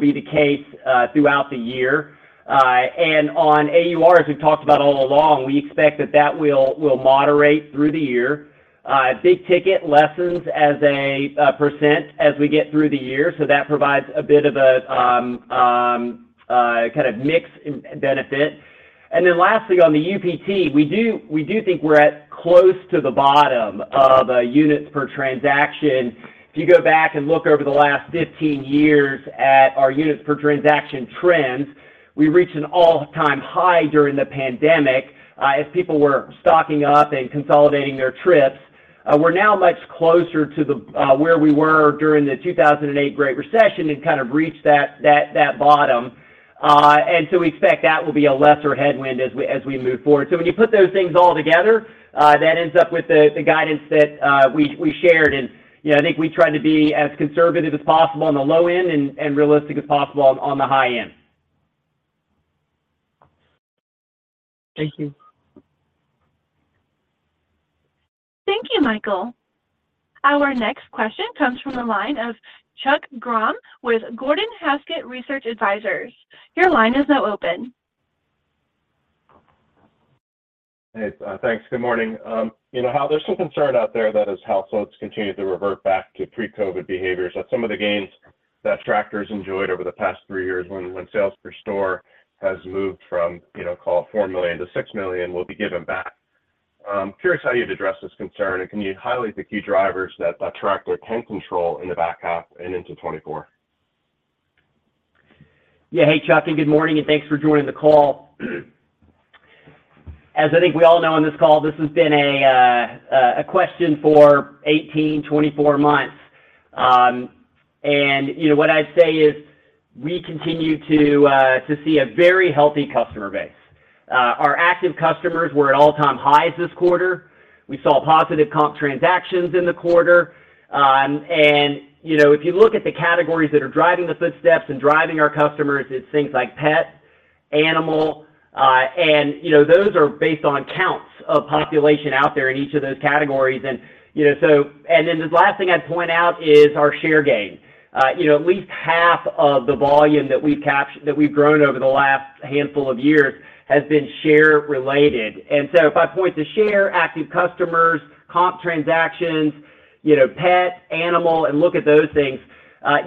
Speaker 3: be the case throughout the year. On AUR, as we've talked about all along, we expect that that will moderate through the year. Big ticket lessens as a percent as we get through the year, so that provides a bit of a kind of mixed benefit. Lastly, on the UPT, we do think we're at close to the bottom of units per transaction. If you go back and look over the last 15 years at our units per transaction trends, we reached an all-time high during the pandemic as people were stocking up and consolidating their trips. We're now much closer to the where we were during the 2008 Great Recession and kind of reached that bottom. So we expect that will be a lesser headwind as we move forward. When you put those things all together, that ends up with the guidance that we shared. You know, I think we try to be as conservative as possible on the low end and realistic as possible on the high end.
Speaker 8: Thank you.
Speaker 1: Thank you, Michael. Our next question comes from the line of Chuck Grom with Gordon Haskett Research Advisors. Your line is now open.
Speaker 9: Hey, thanks. Good morning. You know how there's some concern out there that as households continue to revert back to pre-COVID behaviors, that some of the gains that Tractor's enjoyed over the past three years when sales per store has moved from, you know, call it $4 million to $6 million, will be given back. I'm curious how you'd address this concern. Can you highlight the key drivers that Tractor can control in the back half and into 2024?
Speaker 3: Yeah. Hey, Chuck, good morning, and thanks for joining the call. As I think we all know on this call, this has been a question for 18, 24 months. You know, what I'd say is we continue to see a very healthy customer base. Our active customers were at all-time highs this quarter. We saw positive comp transactions in the quarter. You know, if you look at the categories that are driving the footsteps and driving our customers, it's things like pet, animal, and you know, those are based on counts of population out there in each of those categories. You know, and then the last thing I'd point out is our share gain. you know, at least half of the volume that we've grown over the last handful of years has been share related. If I point to share, active customers, comp transactions, you know, pet, animal, and look at those things,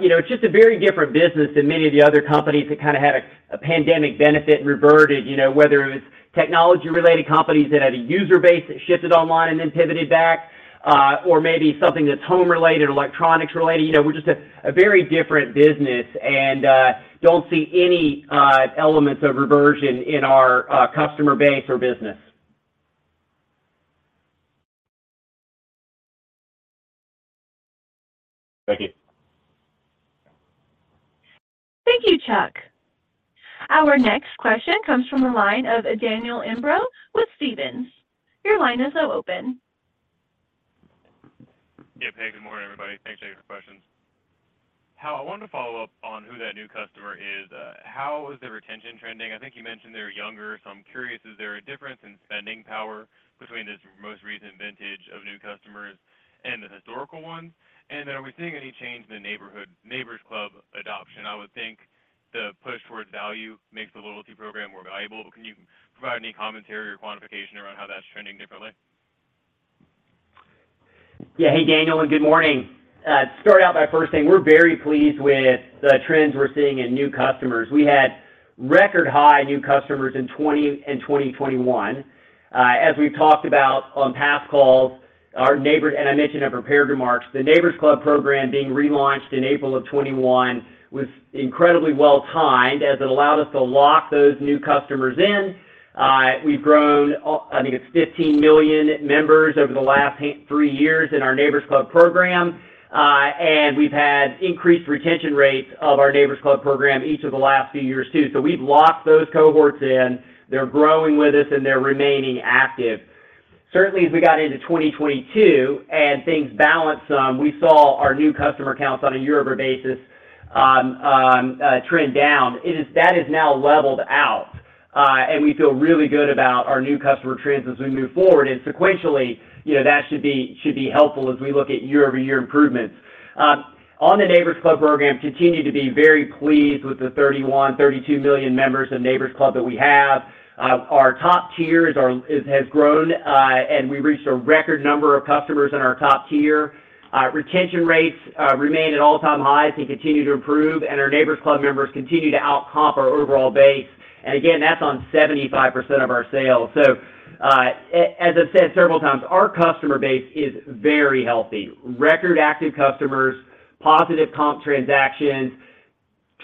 Speaker 3: you know, it's just a very different business than many of the other companies that kind of had a pandemic benefit reverted. You know, whether it was technology-related companies that had a user base that shifted online and then pivoted back, or maybe something that's home-related or electronics-related. You know, we're just a very different business and don't see any elements of reversion in our customer base or business.
Speaker 9: Thank you.
Speaker 1: Thank you, Chuck. Our next question comes from the line of Daniel Imbro with Stephens. Your line is now open.
Speaker 10: Yeah. Hey, good morning, everybody. Thanks for taking the questions. Hal, I wanted to follow up on who that new customer is. How is the retention trending? I think you mentioned they're younger, so I'm curious, is there a difference in spending power between this most recent vintage of new customers and the historical ones? Are we seeing any change in the Neighbor's Club adoption? I would think the push towards value makes the loyalty program more valuable. Can you provide any commentary or quantification around how that's trending differently?
Speaker 3: Yeah. Hey, Daniel, good morning. To start out by first saying, we're very pleased with the trends we're seeing in new customers. We had record high new customers in 2020 and 2021. As we've talked about on past calls, and I mentioned in prepared remarks, the Neighbor's Club program being relaunched in April of 2021 was incredibly well-timed, as it allowed us to lock those new customers in. We've grown, I think it's 15 million members over the last three years in our Neighbor's Club program. We've had increased retention rates of our Neighbor's Club program each of the last few years, too. We've locked those cohorts in, they're growing with us, and they're remaining active. Certainly, as we got into 2022 and things balanced some, we saw our new customer counts on a year-over-year basis on trend down. That is now leveled out, and we feel really good about our new customer trends as we move forward. Sequentially, you know, that should be helpful as we look at year-over-year improvements. On the Neighbor's Club program, continue to be very pleased with the 31 million-32 million members of Neighbor's Club that we have. Our top tier has grown, and we reached a record number of customers in our top tier. Retention rates remain at all-time highs and continue to improve, and our Neighbor's Club members continue to out-comp our overall base. Again, that's on 75% of our sales. As I've said several times, our customer base is very healthy. Record active customers, positive comp transactions,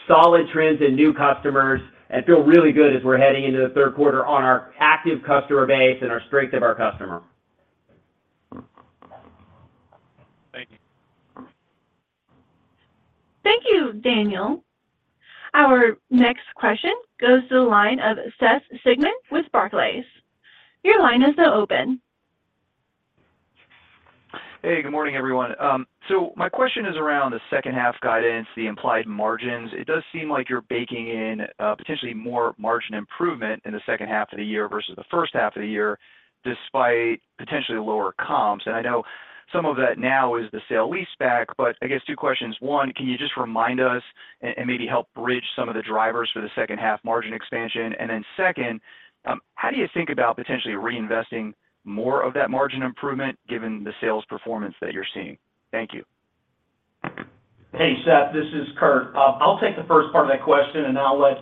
Speaker 3: solid trends in new customers, and feel really good as we're heading into the third quarter on our active customer base and our strength of our customer.
Speaker 10: Thank you.
Speaker 1: Thank you, Daniel. Our next question goes to the line of Seth Sigman with Barclays. Your line is now open.
Speaker 11: Hey, good morning, everyone. My question is around the second half guidance, the implied margins. It does seem like you're baking in potentially more margin improvement in the second half of the year versus the first half of the year, despite potentially lower comps. I know some of that now is the sale leaseback, I guess 2 questions. 1, can you just remind us and maybe help bridge some of the drivers for the second half margin expansion? Second, how do you think about potentially reinvesting more of that margin improvement, given the sales performance that you're seeing? Thank you.
Speaker 5: Hey, Seth, this is Kurt. I'll take the first part of that question, and I'll let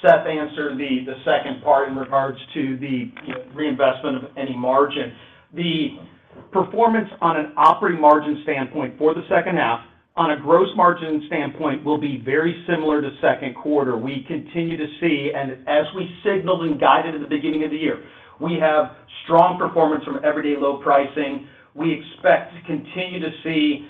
Speaker 5: Seth answer the second part in regards to the, you know, reinvestment of any margin. The performance on an operating margin standpoint for the second half, on a gross margin standpoint, will be very similar to second quarter. We continue to see, as we signaled and guided at the beginning of the year, we have strong performance from everyday low pricing. We expect to continue to see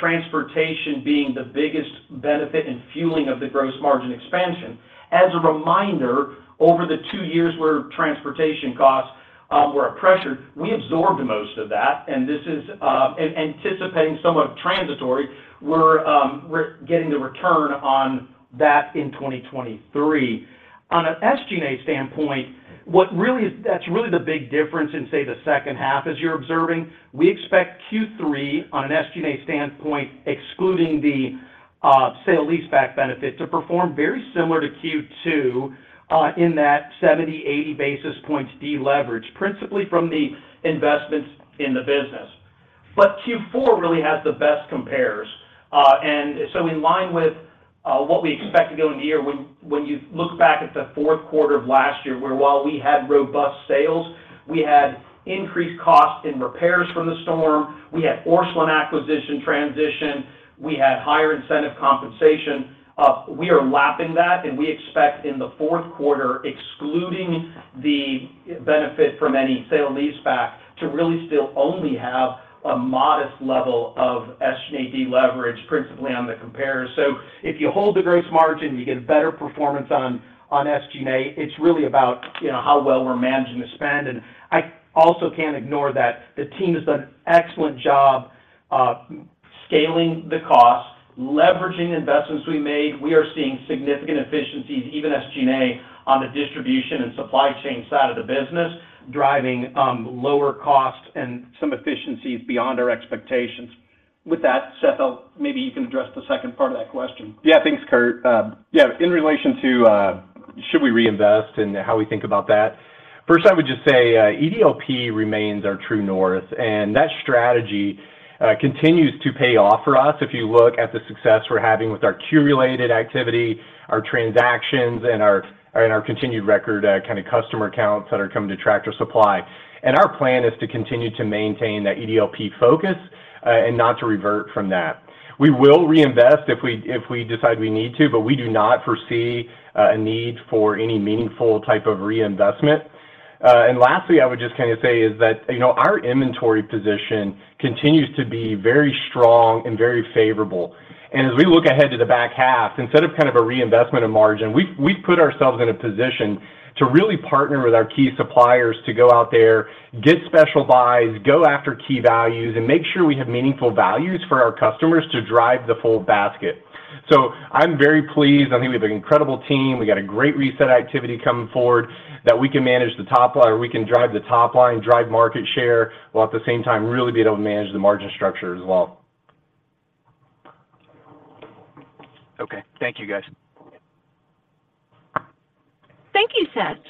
Speaker 5: transportation being the biggest benefit in fueling of the gross margin expansion. As a reminder, over the two years where transportation costs were a pressure, we absorbed most of that, and this is, and anticipating some of transitory, we're getting the return on that in 2023. On an SG&A standpoint, That's really the big difference in, say, the second half as you're observing. We expect Q3, on an SG&A standpoint, excluding the sale leaseback benefit, to perform very similar to Q2 in that 70-80 basis points deleverage, principally from the investments in the business. Q4 really has the best compares. In line with what we expect to go in the year, when you look back at the fourth quarter of last year, where while we had robust sales, we had increased costs in repairs from the storm, we had Orscheln acquisition transition, we had higher incentive compensation. We are lapping that, and we expect in the fourth quarter, excluding the benefit from any sale leaseback, to really still only have a modest level of SG&A deleverage, principally on the compares. If you hold the gross margin, you get better performance on SG&A. It's really about, you know, how well we're managing the spend. I also can't ignore that the team has done an excellent job.... scaling the costs, leveraging investments we made, we are seeing significant efficiencies, even as G&A on the distribution and supply chain side of the business, driving lower costs and some efficiencies beyond our expectations. With that, Seth, maybe you can address the second part of that question?
Speaker 12: Thanks, Kurt. In relation to, should we reinvest and how we think about that? First, I would just say, EDLP remains our true north, and that strategy continues to pay off for us. If you look at the success we're having with our curated activity, our transactions, and our continued record, kinda customer accounts that are coming to Tractor Supply. Our plan is to continue to maintain that EDLP focus, and not to revert from that. We will reinvest if we decide we need to, but we do not foresee a need for any meaningful type of reinvestment. Lastly, I would just kinda say is that, you know, our inventory position continues to be very strong and very favorable. As we look ahead to the back half, instead of kind of a reinvestment in margin, we've put ourselves in a position to really partner with our key suppliers to go out there, get special buys, go after key values, and make sure we have meaningful values for our customers to drive the full basket. I'm very pleased. I think we have an incredible team. We got a great reset activity coming forward that we can manage the top line, or we can drive the top line, drive market share, while at the same time, really be able to manage the margin structure as well.
Speaker 11: Okay. Thank you, guys.
Speaker 1: Thank you, Seth.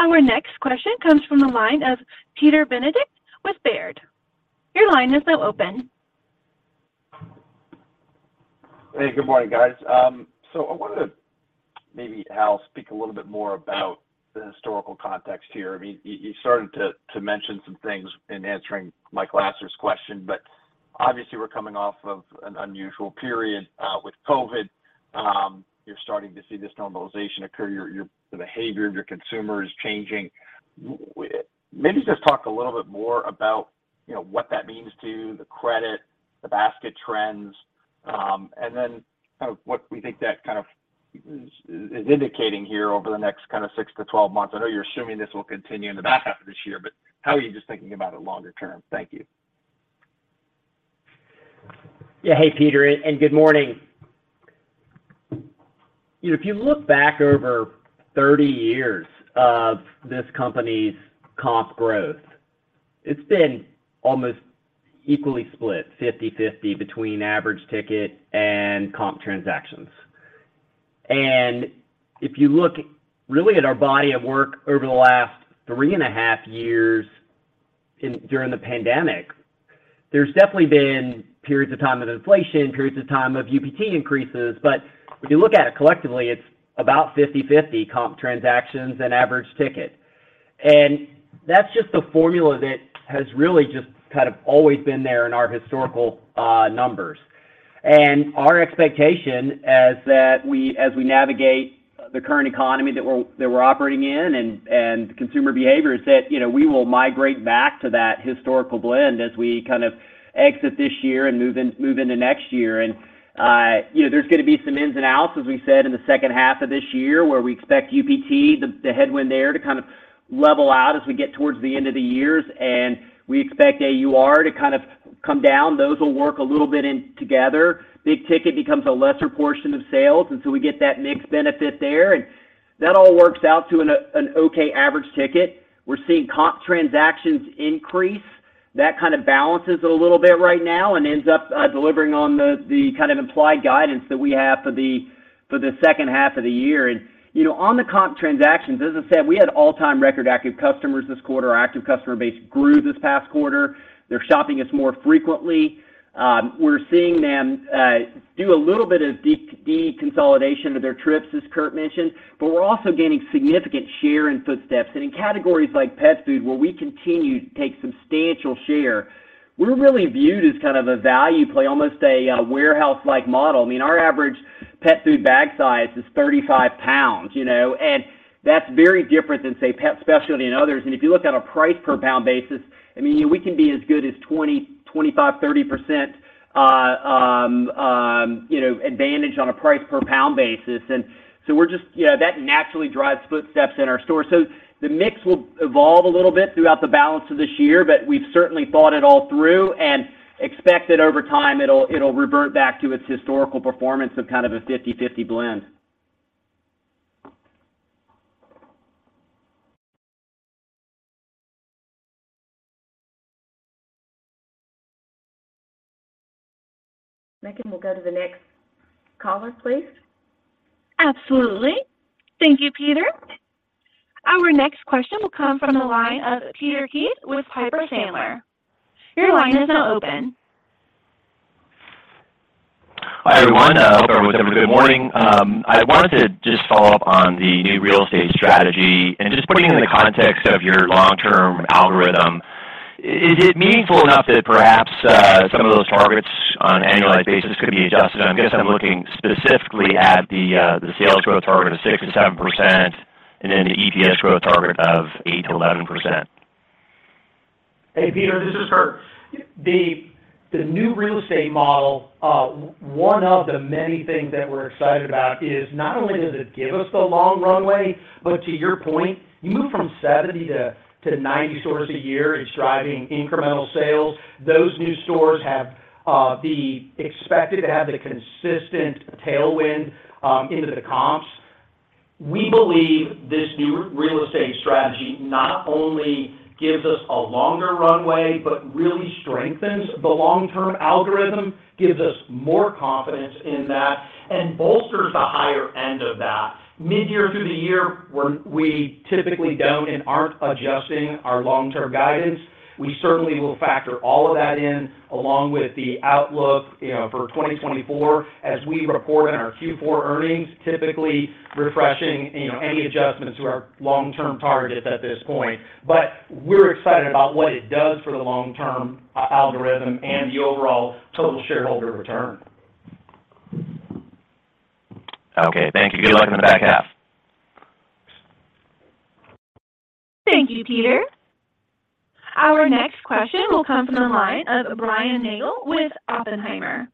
Speaker 1: Our next question comes from the line of Peter Benedict with Baird. Your line is now open.
Speaker 13: Hey, good morning, guys. I wanted to maybe, Hal, speak a little bit more about the historical context here. I mean, you started to mention some things in answering Michael Lasser's question, obviously, we're coming off of an unusual period with COVID. You're starting to see this normalization occur, your the behavior of your consumer is changing. Maybe just talk a little bit more about, you know, what that means to the credit, the basket trends, then what we think that kind of is indicating here over the next kinda 6 to 12 months. I know you're assuming this will continue in the back half of this year. How are you just thinking about it longer term? Thank you.
Speaker 3: Yeah. Hey, Peter, good morning. You know, if you look back over 30 years of this company's comp growth, it's been almost equally split, 50/50, between average ticket and comp transactions. If you look really at our body of work over the last 3 and a half years during the pandemic, there's definitely been periods of time of inflation, periods of time of UPT increases. If you look at it collectively, it's about 50/50 comp transactions and average ticket. That's just the formula that has really just kind of always been there in our historical numbers. Our expectation as we navigate the current economy that we're, we're operating in and, and consumer behavior, is that, you know, we will migrate back to that historical blend as we kind of exit this year and move in, move into next year. You know, there's gonna be some ins and outs, as we said, in the second half of this year, where we expect UPT, the, the headwind there to kind of level out as we get towards the end of the years, and we expect AUR to kind of come down. Those will work a little bit in together. Big ticket becomes a lesser portion of sales, and so we get that mixed benefit there, and that all works out to an okay average ticket. We're seeing comp transactions increase. That kind of balances it a little bit right now and ends up delivering on the, the kind of implied guidance that we have for the, for the second half of the year. You know, on the comp transactions, as I said, we had all-time record active customers this quarter. Our active customer base grew this past quarter. They're shopping us more frequently. We're seeing them do a little bit of deconsolidation of their trips, as Kurt mentioned, but we're also gaining significant share and footsteps. In categories like pet food, where we continue to take substantial share, we're really viewed as kind of a value play, almost a warehouse-like model. I mean, our average pet food bag size is 35 pounds, you know, and that's very different than, say, pet specialty and others. If you look at a price-per-pound basis, I mean, we can be as good as 20%, 25%, 30%, you know, advantage on a price-per-pound basis. We're just you know, that naturally drives footsteps in our store. The mix will evolve a little bit throughout the balance of this year, but we've certainly thought it all through and expect that over time, it'll revert back to its historical performance of kind of a 50/50 blend.
Speaker 2: Megan, we'll go to the next caller, please.
Speaker 1: Absolutely. Thank you, Peter. Our next question will come from the line of Peter Keith with Piper Sandler. Your line is now open.
Speaker 14: Hi, everyone, or whatever, good morning. I wanted to just follow up on the new real estate strategy and just putting it in the context of your long-term algorithm. Is it meaningful enough that perhaps, some of those targets on an annualized basis could be adjusted? I guess I'm looking specifically at the, the sales growth target of 6%-7% and then the EPS growth target of 8%-11%.
Speaker 5: Hey, Peter, this is Kurt. The new real estate model, one of the many things that we're excited about is not only does it give us the long runway, but to your point, you move from 70 to 90 stores a year, and driving incremental sales. Those new stores have the expected to have the consistent tailwind into the comps. We believe this new real estate strategy not only gives us a longer runway, but really strengthens the long-term algorithm, gives us more confidence in that, and bolsters the higher end of that. Mid-year through the year, when we typically don't and aren't adjusting our long-term guidance, we certainly will factor all of that in, along with the outlook, you know, for 2024, as we report on our Q4 earnings, typically refreshing, you know, any adjustments to our long-term targets at this point. We're excited about what it does for the long-term algorithm and the overall total shareholder return.
Speaker 14: Okay, thank you. Good luck in the back half.
Speaker 1: Thank you, Peter. Our next question will come from the line of Brian Nagel with Oppenheimer.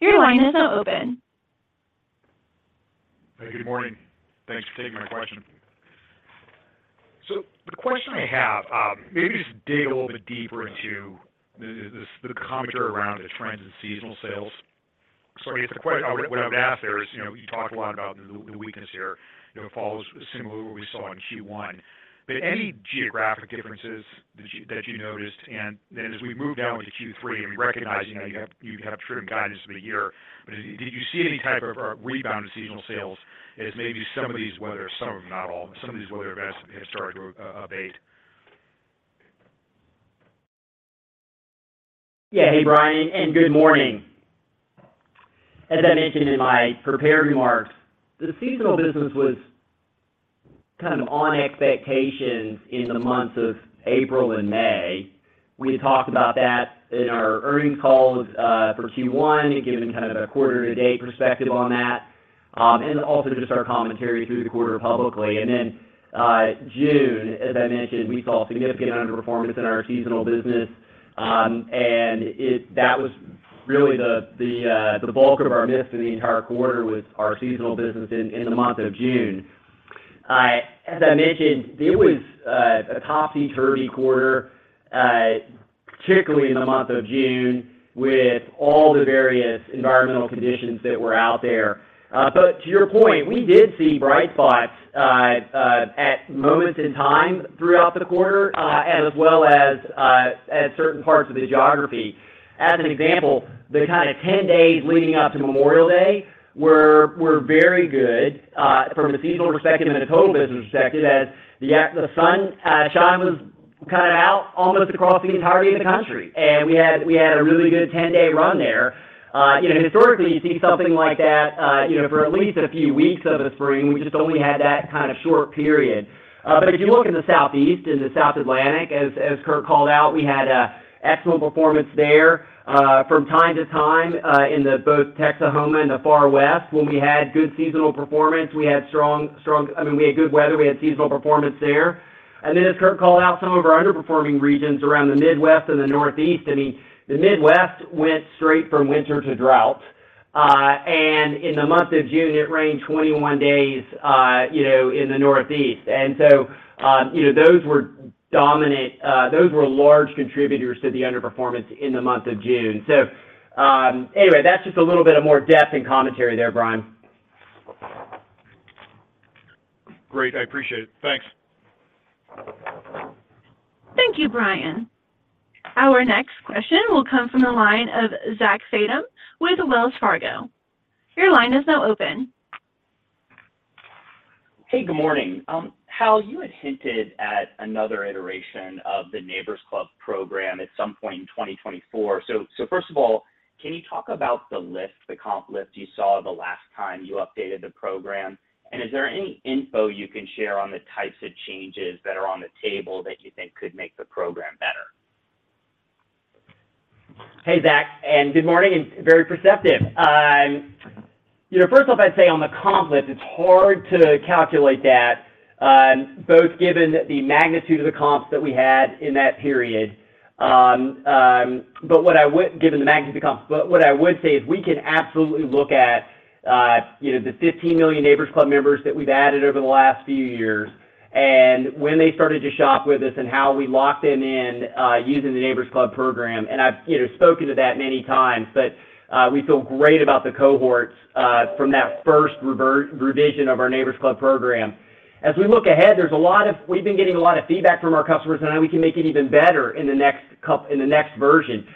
Speaker 1: Your line is now open.
Speaker 15: Hey, good morning. Thanks for taking my question. The question I have, maybe just dig a little bit deeper into the commentary around the trends in seasonal sales. I guess what I would ask there is, you know, you talked a lot about the weakness here. You know, it follows similar to what we saw in Q1. Any geographic differences that you noticed? And then as we move down to Q3, and recognizing that you have trimmed guidance for the year, did you see any type of rebound in seasonal sales as maybe some of these weather, some of them, not all, but some of these weather events have started to abate?
Speaker 3: Hey, Brian, good morning. As I mentioned in my prepared remarks, the seasonal business was kind of on expectations in the months of April and May. We talked about that in our earnings calls for Q1 and given kind of a quarter-to-date perspective on that, and also just our commentary through the quarter publicly. Then, June, as I mentioned, we saw significant underperformance in our seasonal business, and that was really the bulk of our miss in the entire quarter with our seasonal business in the month of June. As I mentioned, it was a topsy-turvy quarter, particularly in the month of June, with all the various environmental conditions that were out there. To your point, we did see bright spots at moments in time throughout the quarter, as well as at certain parts of the geography. As an example, the kind of 10 days leading up to Memorial Day were very good from a seasonal perspective and a total business perspective, as the sun shine was kind of out almost across the entirety of the country. We had a really good 10-day run there. You know, historically, you see something like that, you know, for at least a few weeks of the spring. We just only had that kind of short period. If you look in the Southeast and the South Atlantic, as Kurt called out, we had a excellent performance there, from time to time, in the both Texahoma and the Far West, when we had good seasonal performance. We had strong. I mean, we had good weather, we had seasonal performance there. As Kurt called out, some of our underperforming regions around the Midwest and the Northeast. I mean, the Midwest went straight from winter to drought. In the month of June, it rained 21 days, you know, in the Northeast. You know, those were dominant, those were large contributors to the underperformance in the month of June. Anyway, that's just a little bit of more depth and commentary there, Brian.
Speaker 15: Great, I appreciate it. Thanks.
Speaker 1: Thank you, Brian. Our next question will come from the line of Zach Fadem with Wells Fargo. Your line is now open.
Speaker 16: Hey, good morning. Hal, you had hinted at another iteration of the Neighbor's Club program at some point in 2024. First of all, can you talk about the lift, the comp lift you saw the last time you updated the program? Is there any info you can share on the types of changes that are on the table that you think could make the program better?
Speaker 3: Hey, Zach. Good morning, and very perceptive. you know, first off, I'd say on the comp lift, it's hard to calculate that, both given the magnitude of the comps that we had in that period, but what I would say is we can absolutely look at, you know, the 15 million Neighbor's Club members that we've added over the last few years, and when they started to shop with us and how we locked them in, using the Neighbor's Club program. I've, you know, spoken to that many times, but we feel great about the cohorts from that first revision of our Neighbor's Club program. As we look ahead, we've been getting a lot of feedback from our customers on how we can make it even better in the next version.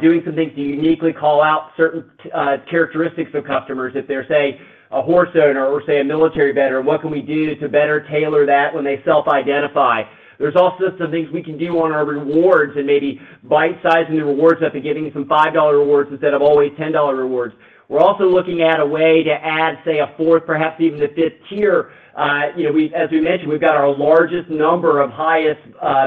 Speaker 3: Doing some things to uniquely call out certain characteristics of customers. If they're, say, a horse owner or, say, a military veteran, what can we do to better tailor that when they self-identify? There's also some things we can do on our rewards and maybe bite-sizing the rewards up and giving some $5 rewards instead of always $10 rewards. We're also looking at a way to add, say, a fourth, perhaps even a fifth tier. You know, as we mentioned, we've got our largest number of highest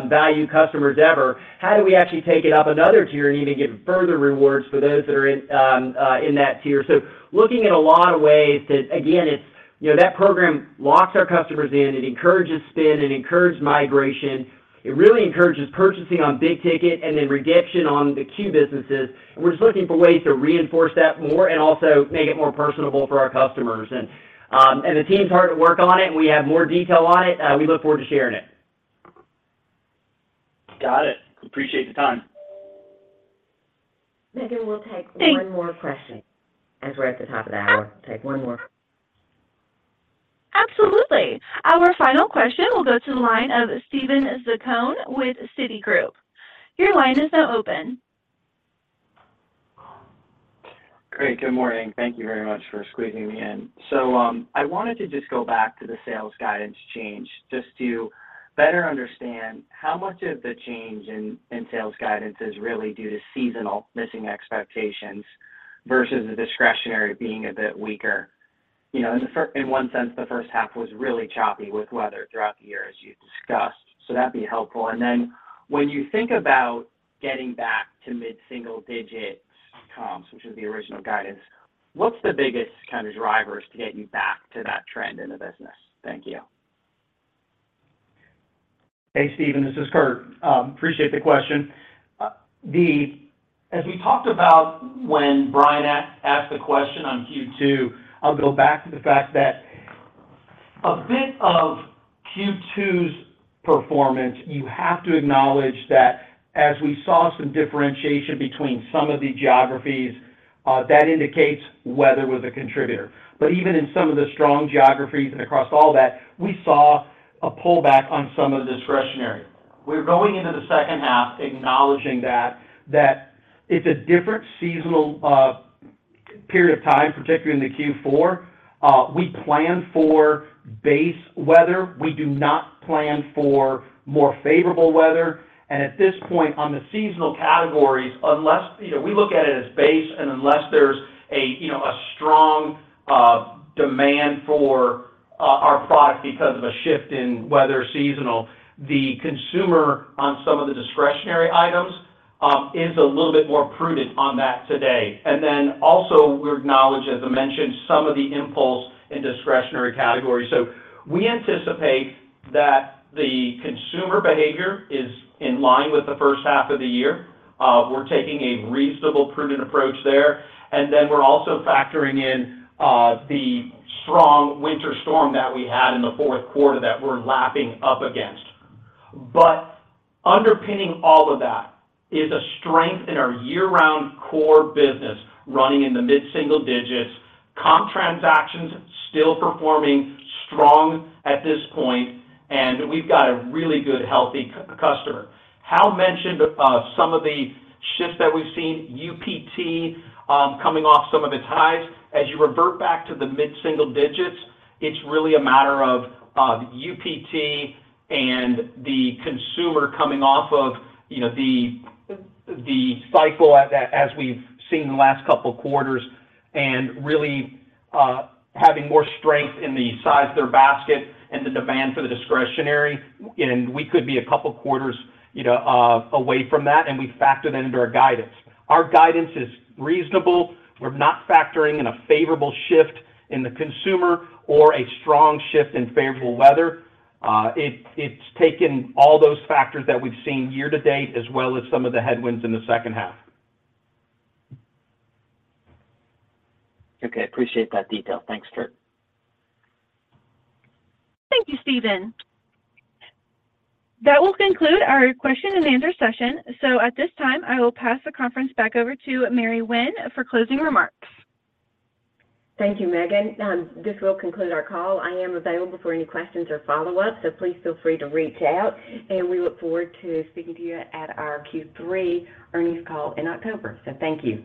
Speaker 3: value customers ever. How do we actually take it up another tier and even give further rewards for those that are in, in that tier? Again, it's, you know, that program locks our customers in, it encourages spend, it encourages migration, it really encourages purchasing on big ticket and then redemption on the C.U.E. businesses. We're just looking for ways to reinforce that more and also make it more personable for our customers. The team's hard at work on it. We have more detail on it, we look forward to sharing it.
Speaker 16: Got it. Appreciate the time.
Speaker 2: Megan, we'll take one more question, as we're at the top of the hour. Take one more.
Speaker 1: Absolutely. Our final question will go to the line of Steven Zaccone with Citigroup. Your line is now open.
Speaker 17: Great. Good morning. Thank you very much for squeezing me in. I wanted to just go back to the sales guidance change, just to better understand how much of the change in sales guidance is really due to seasonal missing expectations versus the discretionary being a bit weaker. You know, in one sense, the first half was really choppy with weather throughout the year, as you discussed, that'd be helpful. When you think about getting back to mid-single-digit comps, which is the original guidance, what's the biggest kind of drivers to get you back to that trend in the business? Thank you.
Speaker 5: Hey, Steven, this is Kurt. Appreciate the question. As we talked about when Brian asked the question on Q2, I'll go back to the fact that a bit of Q2's performance, you have to acknowledge that as we saw some differentiation between some of the geographies, that indicates weather was a contributor. Even in some of the strong geographies and across all that, we saw a pullback on some of the discretionary. We're going into the second half acknowledging that, that it's a different seasonal period of time, particularly in the Q4. We plan for base weather. We do not plan for more favorable weather. And at this point, on the seasonal categories, unless... You know, we look at it as base. Unless there's a, you know, a strong demand for our product because of a shift in weather seasonal, the consumer on some of the discretionary items, is a little bit more prudent on that today. Also, we acknowledge, as I mentioned, some of the impulse in discretionary categories. We anticipate that the consumer behavior is in line with the first half of the year. We're taking a reasonable, prudent approach there, we're also factoring in the strong winter storm that we had in the fourth quarter that we're lapping up against. Underpinning all of that is a strength in our year-round core business, running in the mid-single digits, comp transactions still performing strong at this point, and we've got a really good, healthy customer. Hal mentioned some of the shifts that we've seen, UPT, coming off some of its highs. You revert back to the mid-single digits, it's really a matter of UPT and the consumer coming off of, you know, the cycle as we've seen in the last couple of quarters, really having more strength in the size of their basket and the demand for the discretionary. We could be a couple quarters, you know, away from that, and we factored that into our guidance. Our guidance is reasonable. We're not factoring in a favorable shift in the consumer or a strong shift in favorable weather. It's taken all those factors that we've seen year-to-date, as well as some of the headwinds in the second half.
Speaker 17: Okay. Appreciate that detail. Thanks, Kurt.
Speaker 1: Thank you, Steven. That will conclude our question and answer session. At this time, I will pass the conference back over to Mary Winn for closing remarks.
Speaker 2: Thank you, Megan. This will conclude our call. I am available for any questions or follow-up, so please feel free to reach out, and we look forward to speaking to you at our Q3 earnings call in October. Thank you.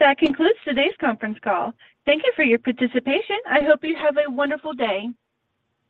Speaker 1: That concludes today's conference call. Thank you for your participation. I hope you have a wonderful day.